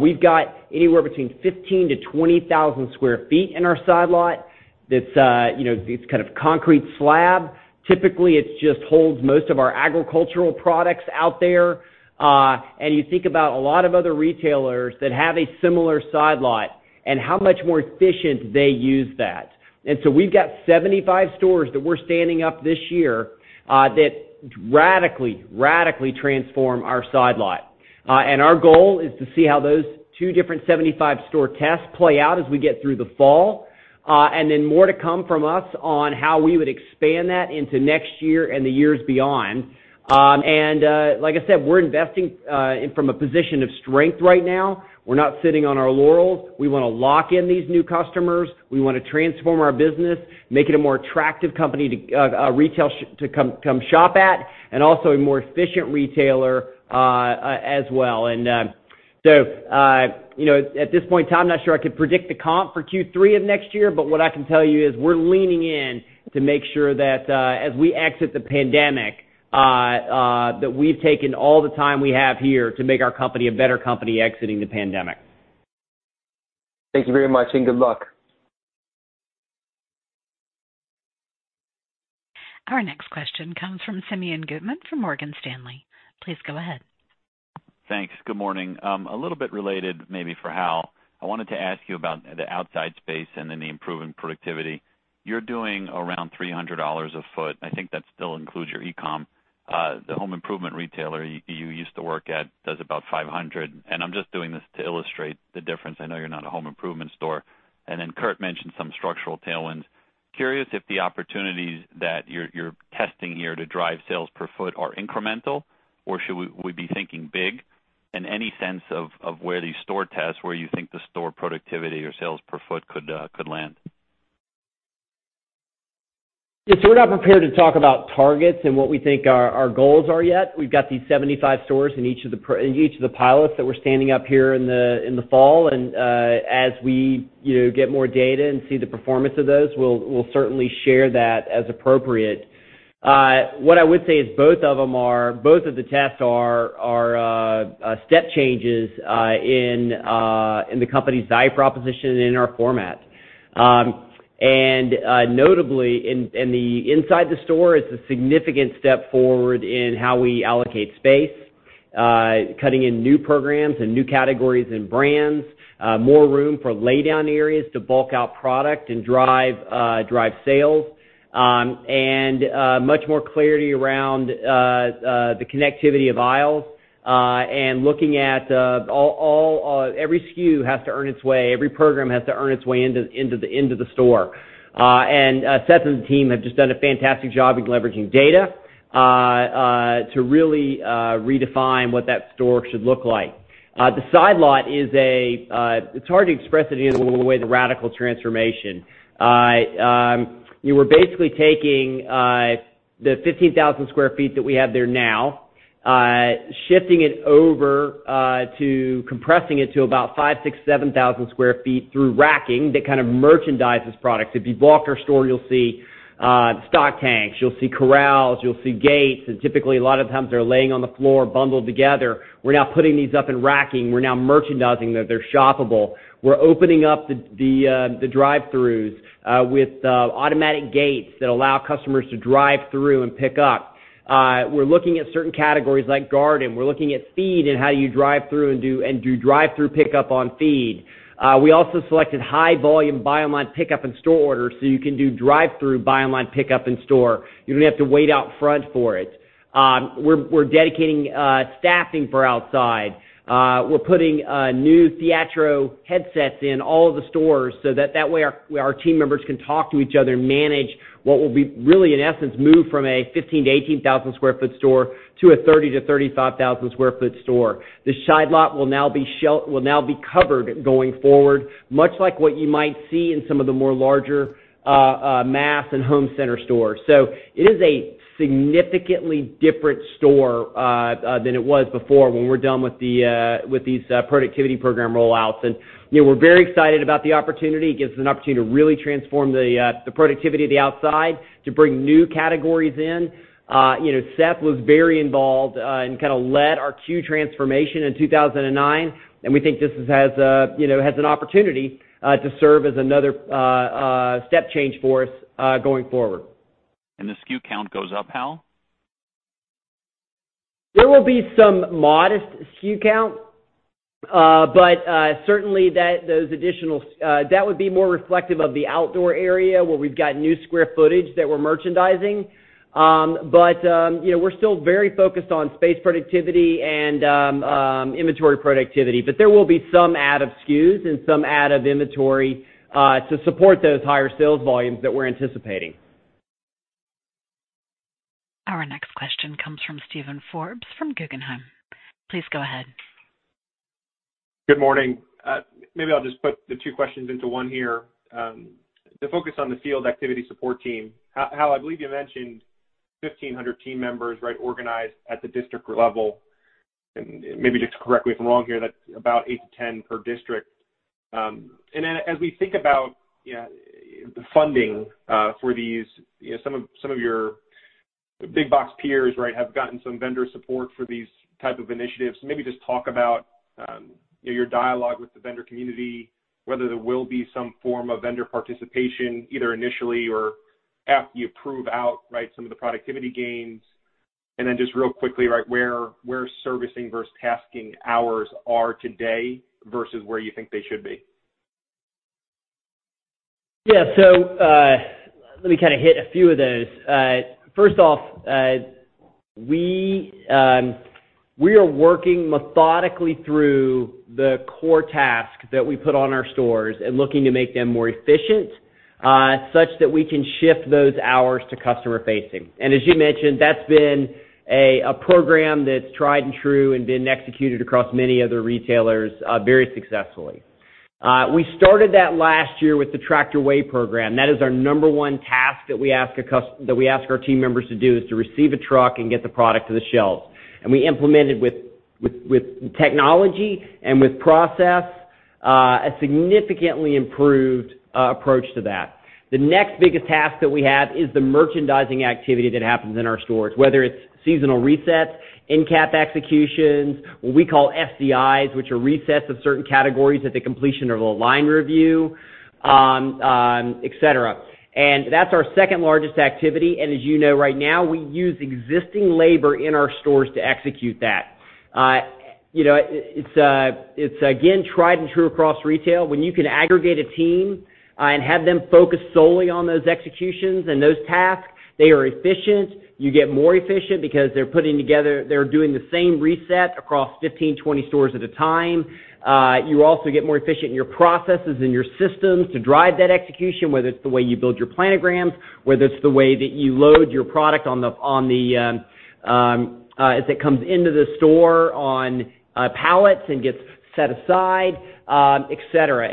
We've got anywhere between 15,000-20,000 sq ft in our side lot. It's kind of concrete slab. Typically, it just holds most of our agricultural products out there. You think about a lot of other retailers that have a similar side lot and how much more efficient they use that. We've got 75 stores that we're standing up this year that radically transform our side lot. Our goal is to see how those two different 75-store tests play out as we get through the fall. More to come from us on how we would expand that into next year and the years beyond. Like I said, we're investing from a position of strength right now. We're not sitting on our laurels. We want to lock in these new customers. We want to transform our business, make it a more attractive company retail to come shop at, and also a more efficient retailer as well. At this point, Tom, I'm not sure I could predict the comparable for Q3 of next year, but what I can tell you is we're leaning in to make sure that as we exit the pandemic, that we've taken all the time we have here to make our company a better company exiting the pandemic. Thank you very much, and good luck. Our next question comes from Simeon Gutman from Morgan Stanley. Please go ahead. Thanks. Good morning. A little bit related maybe for Hal, I wanted to ask you about the outside space and then the improvement productivity. You're doing around $300 a ft. I think that still includes your e-com. The home improvement retailer you used to work at does about $500. I'm just doing this to illustrate the difference. I know you're not a home improvement store. Kurt mentioned some structural tailwinds. Curious if the opportunities that you're testing here to drive sales per foot are incremental, or should we be thinking big? Any sense of where these store tests, where you think the store productivity or sales per foot could land? Yeah. We're not prepared to talk about targets and what we think our goals are yet. We've got these 75 stores in each of the pilots that we're standing up here in the fall. As we get more data and see the performance of those, we'll certainly share that as appropriate. What I would say is both of the tests are step changes in the company's value proposition and in our format. Notably, in the inside the store, it's a significant step forward in how we allocate space. Cutting in new programs and new categories and brands. More room for lay-down areas to bulk out product and drive sales. Much more clarity around the connectivity of aisles. Looking at every SKU has to earn its way, every program has to earn its way into the store. Seth and the team have just done a fantastic job in leveraging data to really redefine what that store should look like. The side lot, it's hard to express it in a way, the radical transformation. We're basically taking the 15,000 square feet that we have there now, shifting it over to compressing it to about 5,000, 6,000, 7,000 square feet through racking that kind of merchandises products. If you've walked our store, you'll see stock tanks, you'll see corrals, you'll see gates. Typically, a lot of times, they're laying on the floor bundled together. We're now putting these up and racking. We're now merchandising them. They're shoppable. We're opening up the drive-throughs with automatic gates that allow customers to drive through and pick up. We're looking at certain categories like garden. We're looking at feed and how do you drive through and do drive-through pickup on feed. We also selected high-volume buy online, pickup in store orders so you can do drive-through buy online, pickup in store. You don't have to wait out front for it. We're dedicating staffing for outside. We're putting new Theatro headsets in all of the stores so that way, our team members can talk to each other and manage what will be really, in essence, move from a 15,000-18,000 sq ft store to a 30,000-35,000 sq ft store. The side lot will now be covered going forward, much like what you might see in some of the more larger mass and home center stores. It is a significantly different store than it was before when we're done with these productivity program roll-outs. We're very excited about the opportunity. It gives us an opportunity to really transform the productivity of the outside to bring new categories in. Seth was very involved and kind of led our C.U.E. transformation in 2009. We think this has an opportunity to serve as another step change for us going forward. The SKU count goes up, Hal? There will be some modest SKU count, but certainly, that would be more reflective of the outdoor area where we've got new square footage that we're merchandising. We're still very focused on space productivity and inventory productivity. There will be some add of SKUs and some add of inventory to support those higher sales volumes that we're anticipating. Our next question comes from Steven Forbes from Guggenheim Securities. Please go ahead. Good morning. Maybe I'll just put the two questions into one here. The focus on the field activity support team. Hal, I believe you mentioned 1,500 team members organized at the district level, and maybe just correct me if I'm wrong here, that's about 8-10 per district. As we think about the funding for these, some of your big box peers have gotten some vendor support for these type of initiatives. Maybe just talk about your dialogue with the vendor community, whether there will be some form of vendor participation, either initially or after you prove out some of the productivity gains. Just real quickly, where servicing versus tasking hours are today versus where you think they should be. Let me kind of hit a few of those. First off, we are working methodically through the core tasks that we put on our stores and looking to make them more efficient such that we can shift those hours to customer facing. As you mentioned, that's been a program that's tried and true and been executed across many other retailers very successfully. We started that last year with the Tractor Way program. That is our number one task that we ask our team members to do, is to receive a truck and get the product to the shelves. We implemented with technology and with process, a significantly improved approach to that. The next biggest task that we have is the merchandising activity that happens in our stores, whether it's seasonal resets, NCAP executions, what we call SDIs, which are resets of certain categories at the completion of a line review, et cetera. That's our second-largest activity, and as you know, right now, we use existing labor in our stores to execute that. It's again, tried and true across retail. When you can aggregate a team and have them focus solely on those executions and those tasks, they are efficient. You get more efficient because they're doing the same reset across 15, 20 stores at a time. You also get more efficient in your processes and your systems to drive that execution, whether it's the way you build your planograms, whether it's the way that you load your product as it comes into the store on pallets and gets set aside, et cetera.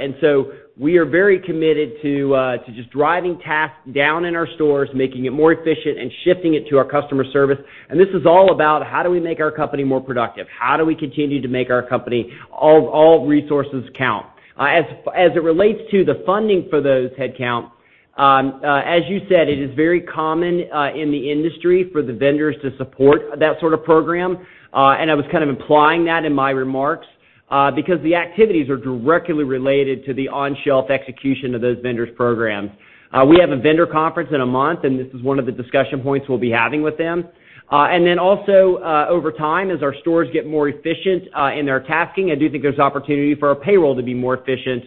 We are very committed to just driving tasks down in our stores, making it more efficient, and shifting it to our customer service. This is all about how do we make our company more productive? How do we continue to make our company all resources count? As it relates to the funding for those headcounts, as you said, it is very common in the industry for the vendors to support that sort of program. I was kind of implying that in my remarks because the activities are directly related to the on-shelf execution of those vendors programs. We have a vendor conference in a month, and this is one of the discussion points we'll be having with them. Then also, over time, as our stores get more efficient in their tasking, I do think there's opportunity for our payroll to be more efficient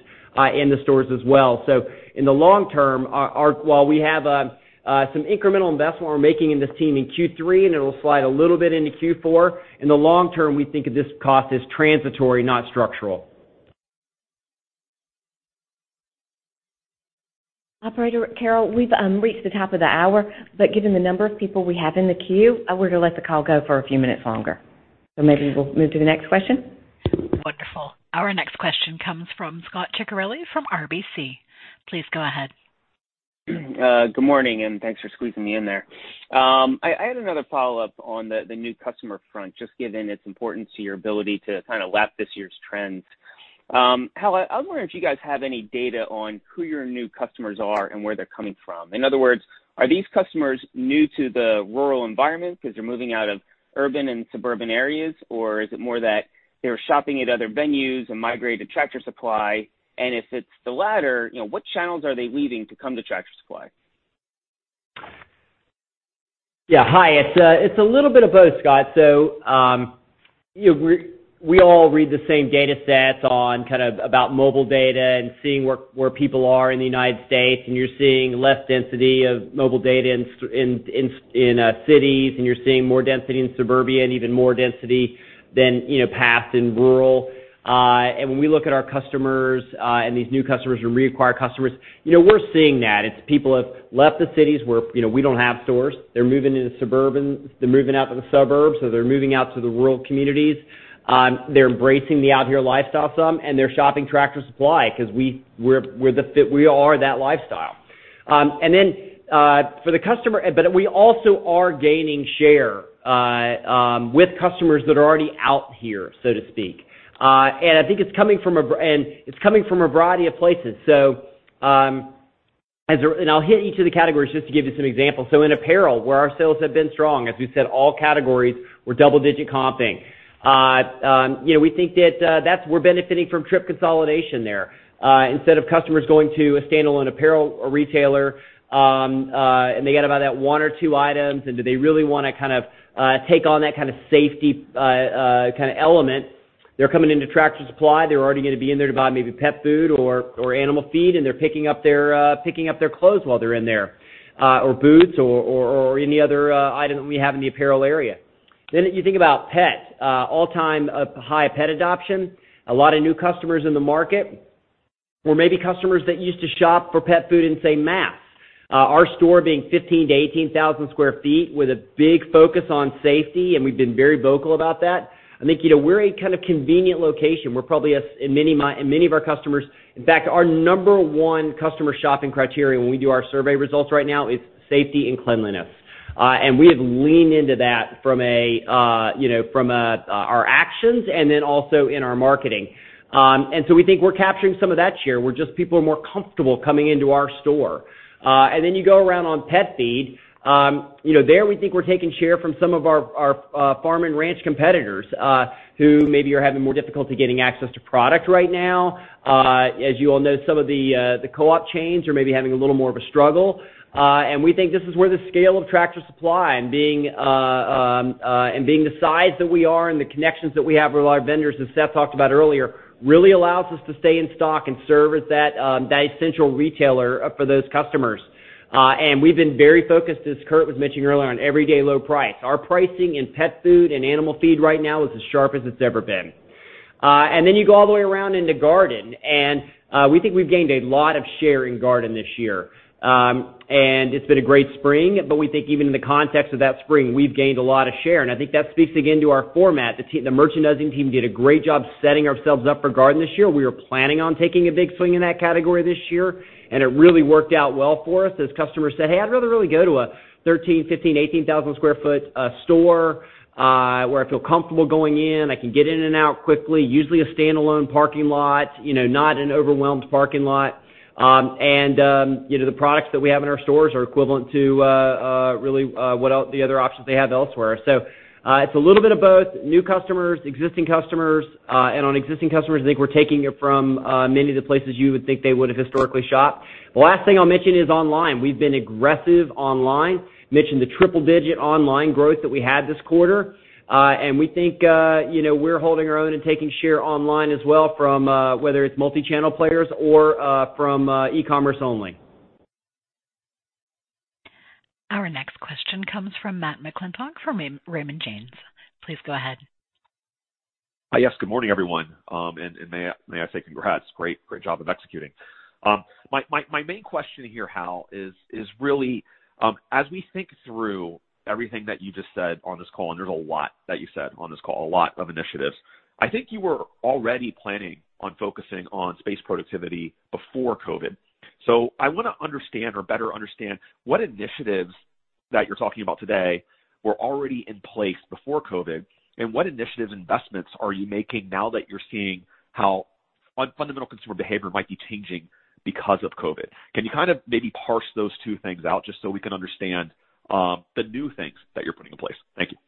in the stores as well. In the long term, while we have some incremental investment we're making in this team in Q3, and it'll slide a little bit into Q4, in the long term, we think of this cost as transitory, not structural. Operator Carol, we've reached the top of the hour, but given the number of people we have in the queue, we're going to let the call go for a few minutes longer. Maybe we'll move to the next question. Wonderful. Our next question comes from Scot Ciccarelli from RBC Capital Markets. Please go ahead. Good morning, and thanks for squeezing me in there. I had another follow-up on the new customer front, just given its importance to your ability to kind of lap this year's trends. Hal, I was wondering if you guys have any data on who your new customers are and where they're coming from. In other words, are these customers new to the rural environment because they're moving out of urban and suburban areas? Or is it more that they were shopping at other venues and migrated to Tractor Supply? And if it's the latter, what channels are they leaving to come to Tractor Supply? Yeah. Hi. It's a little bit of both, Scot. We all read the same data sets on kind of about mobile data and seeing where people are in the United States, and you're seeing less density of mobile data in cities, and you're seeing more density in suburbia and even more density than past in rural. When we look at our customers and these new customers and reacquired customers, we're seeing that. It's people have left the cities where we don't have stores. They're moving into suburban, they're moving out to the suburbs, or they're moving out to the rural communities. They're embracing the out-here lifestyle some, and they're shopping Tractor Supply because we are that lifestyle. We also are gaining share with customers that are already out here, so to speak. It's coming from a variety of places. I'll hit each of the categories just to give you some examples. In apparel, where our sales have been strong, as we said, all categories were double-digit comping. We think that we're benefiting from trip consolidation there. Instead of customers going to a standalone apparel retailer and they get about that one or two items, and do they really want to take on that kind of safety element. They're coming into Tractor Supply. They're already going to be in there to buy maybe pet food or animal feed, and they're picking up their clothes while they're in there, or boots or any other item that we have in the apparel area. If you think about pet, all-time high pet adoption, a lot of new customers in the market, or maybe customers that used to shop for pet food in, say, mass. Our store being 15,000-18,000 sq ft with a big focus on safety, and we've been very vocal about that. I think we're a kind of convenient location. In fact, our number one customer shopping criteria when we do our survey results right now is safety and cleanliness. We have leaned into that from our actions and then also in our marketing. We think we're capturing some of that share, where just people are more comfortable coming into our store. You go around on pet feed. There we think we're taking share from some of our farm and ranch competitors who maybe are having more difficulty getting access to product right now. As you all know, some of the co-op chains are maybe having a little more of a struggle. We think this is where the scale of Tractor Supply and being the size that we are and the connections that we have with a lot of vendors, as Seth talked about earlier, really allows us to stay in stock and serve as that essential retailer for those customers. We've been very focused, as Kurt was mentioning earlier, on everyday low price. Our pricing in pet food and animal feed right now is as sharp as it's ever been. You go all the way around into garden, and we think we've gained a lot of share in garden this year. It's been a great spring, but we think even in the context of that spring, we've gained a lot of share. I think that speaks again to our format. The merchandising team did a great job setting ourselves up for garden this year. We were planning on taking a big swing in that category this year, and it really worked out well for us as customers said, "Hey, I'd rather really go to a 13,000, 15,000, 18,000 sq ft store where I feel comfortable going in. I can get in and out quickly." Usually a standalone parking lot, not an overwhelmed parking lot. The products that we have in our stores are equivalent to really what the other options they have elsewhere. It's a little bit of both new customers, existing customers. On existing customers, I think we're taking it from many of the places you would think they would have historically shopped. The last thing I'll mention is online. We've been aggressive online. Mentioned the triple-digit online growth that we had this quarter. We think we're holding our own and taking share online as well from whether it's multi-channel players or from e-commerce only. Our next question comes from Matt McClintock from Raymond James. Please go ahead. Yes. Good morning, everyone. May I say congrats. Great job of executing. My main question here, Hal, is really as we think through everything that you just said on this call. There's a lot that you said on this call, a lot of initiatives. I think you were already planning on focusing on space productivity before COVID. I want to understand or better understand what initiatives that you're talking about today were already in place before COVID and what initiatives investments are you making now that you're seeing how fundamental consumer behavior might be changing because of COVID. Can you kind of maybe parse those two things out just so we can understand the new things that you're putting in place? Thank you.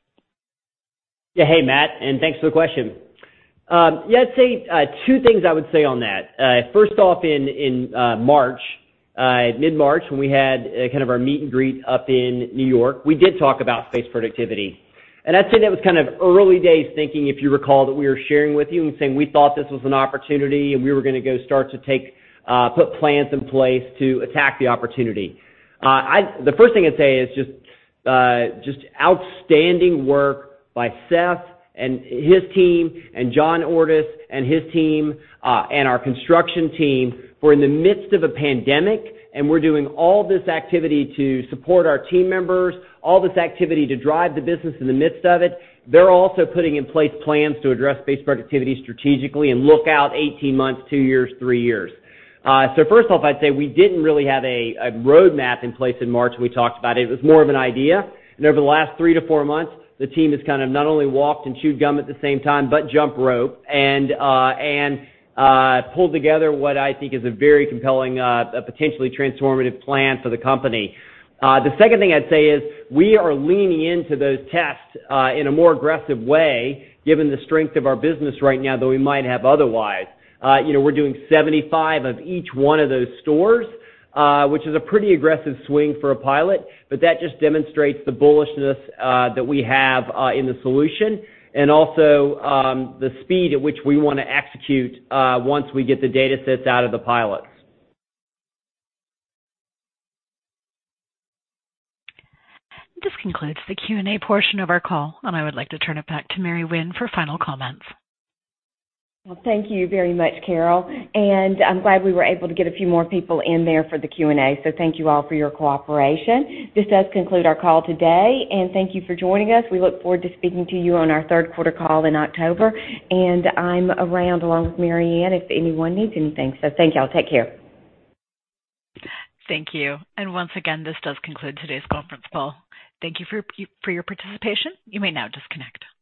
Yeah. Hey, Matt, thanks for the question. Yeah, I'd say two things I would say on that. First off, in mid-March, when we had kind of our meet and greet up in New York, we did talk about space productivity. I'd say that was kind of early days thinking, if you recall, that we were sharing with you and saying we thought this was an opportunity and we were going to go start to put plans in place to attack the opportunity. The first thing I'd say is just outstanding work by Seth and his team and John Ordus and his team and our construction team. We're in the midst of a pandemic and we're doing all this activity to support our team members, all this activity to drive the business in the midst of it. They're also putting in place plans to address space productivity strategically and look out 18 months, two years, three years. First off, I'd say we didn't really have a roadmap in place in March when we talked about it. It was more of an idea. Over the last three to four months, the team has kind of not only walked and chewed gum at the same time, but jump roped and pulled together what I think is a very compelling, potentially transformative plan for the company. The second thing I'd say is we are leaning into those tests in a more aggressive way given the strength of our business right now than we might have otherwise. We're doing 75 of each one of those stores, which is a pretty aggressive swing for a pilot. That just demonstrates the bullishness that we have in the solution and also the speed at which we want to execute once we get the data sets out of the pilots. This concludes the Q&A portion of our call, and I would like to turn it back to Mary Winn for final comments. Well, thank you very much, Carol. I'm glad we were able to get a few more people in there for the Q&A. Thank you all for your cooperation. This does conclude our call today, and thank you for joining us. We look forward to speaking to you on our third quarter call in October. I'm around along with Hal Lawton if anyone needs anything. Thank you all. Take care. Thank you. Once again, this does conclude today's conference call. Thank you for your participation. You may now disconnect.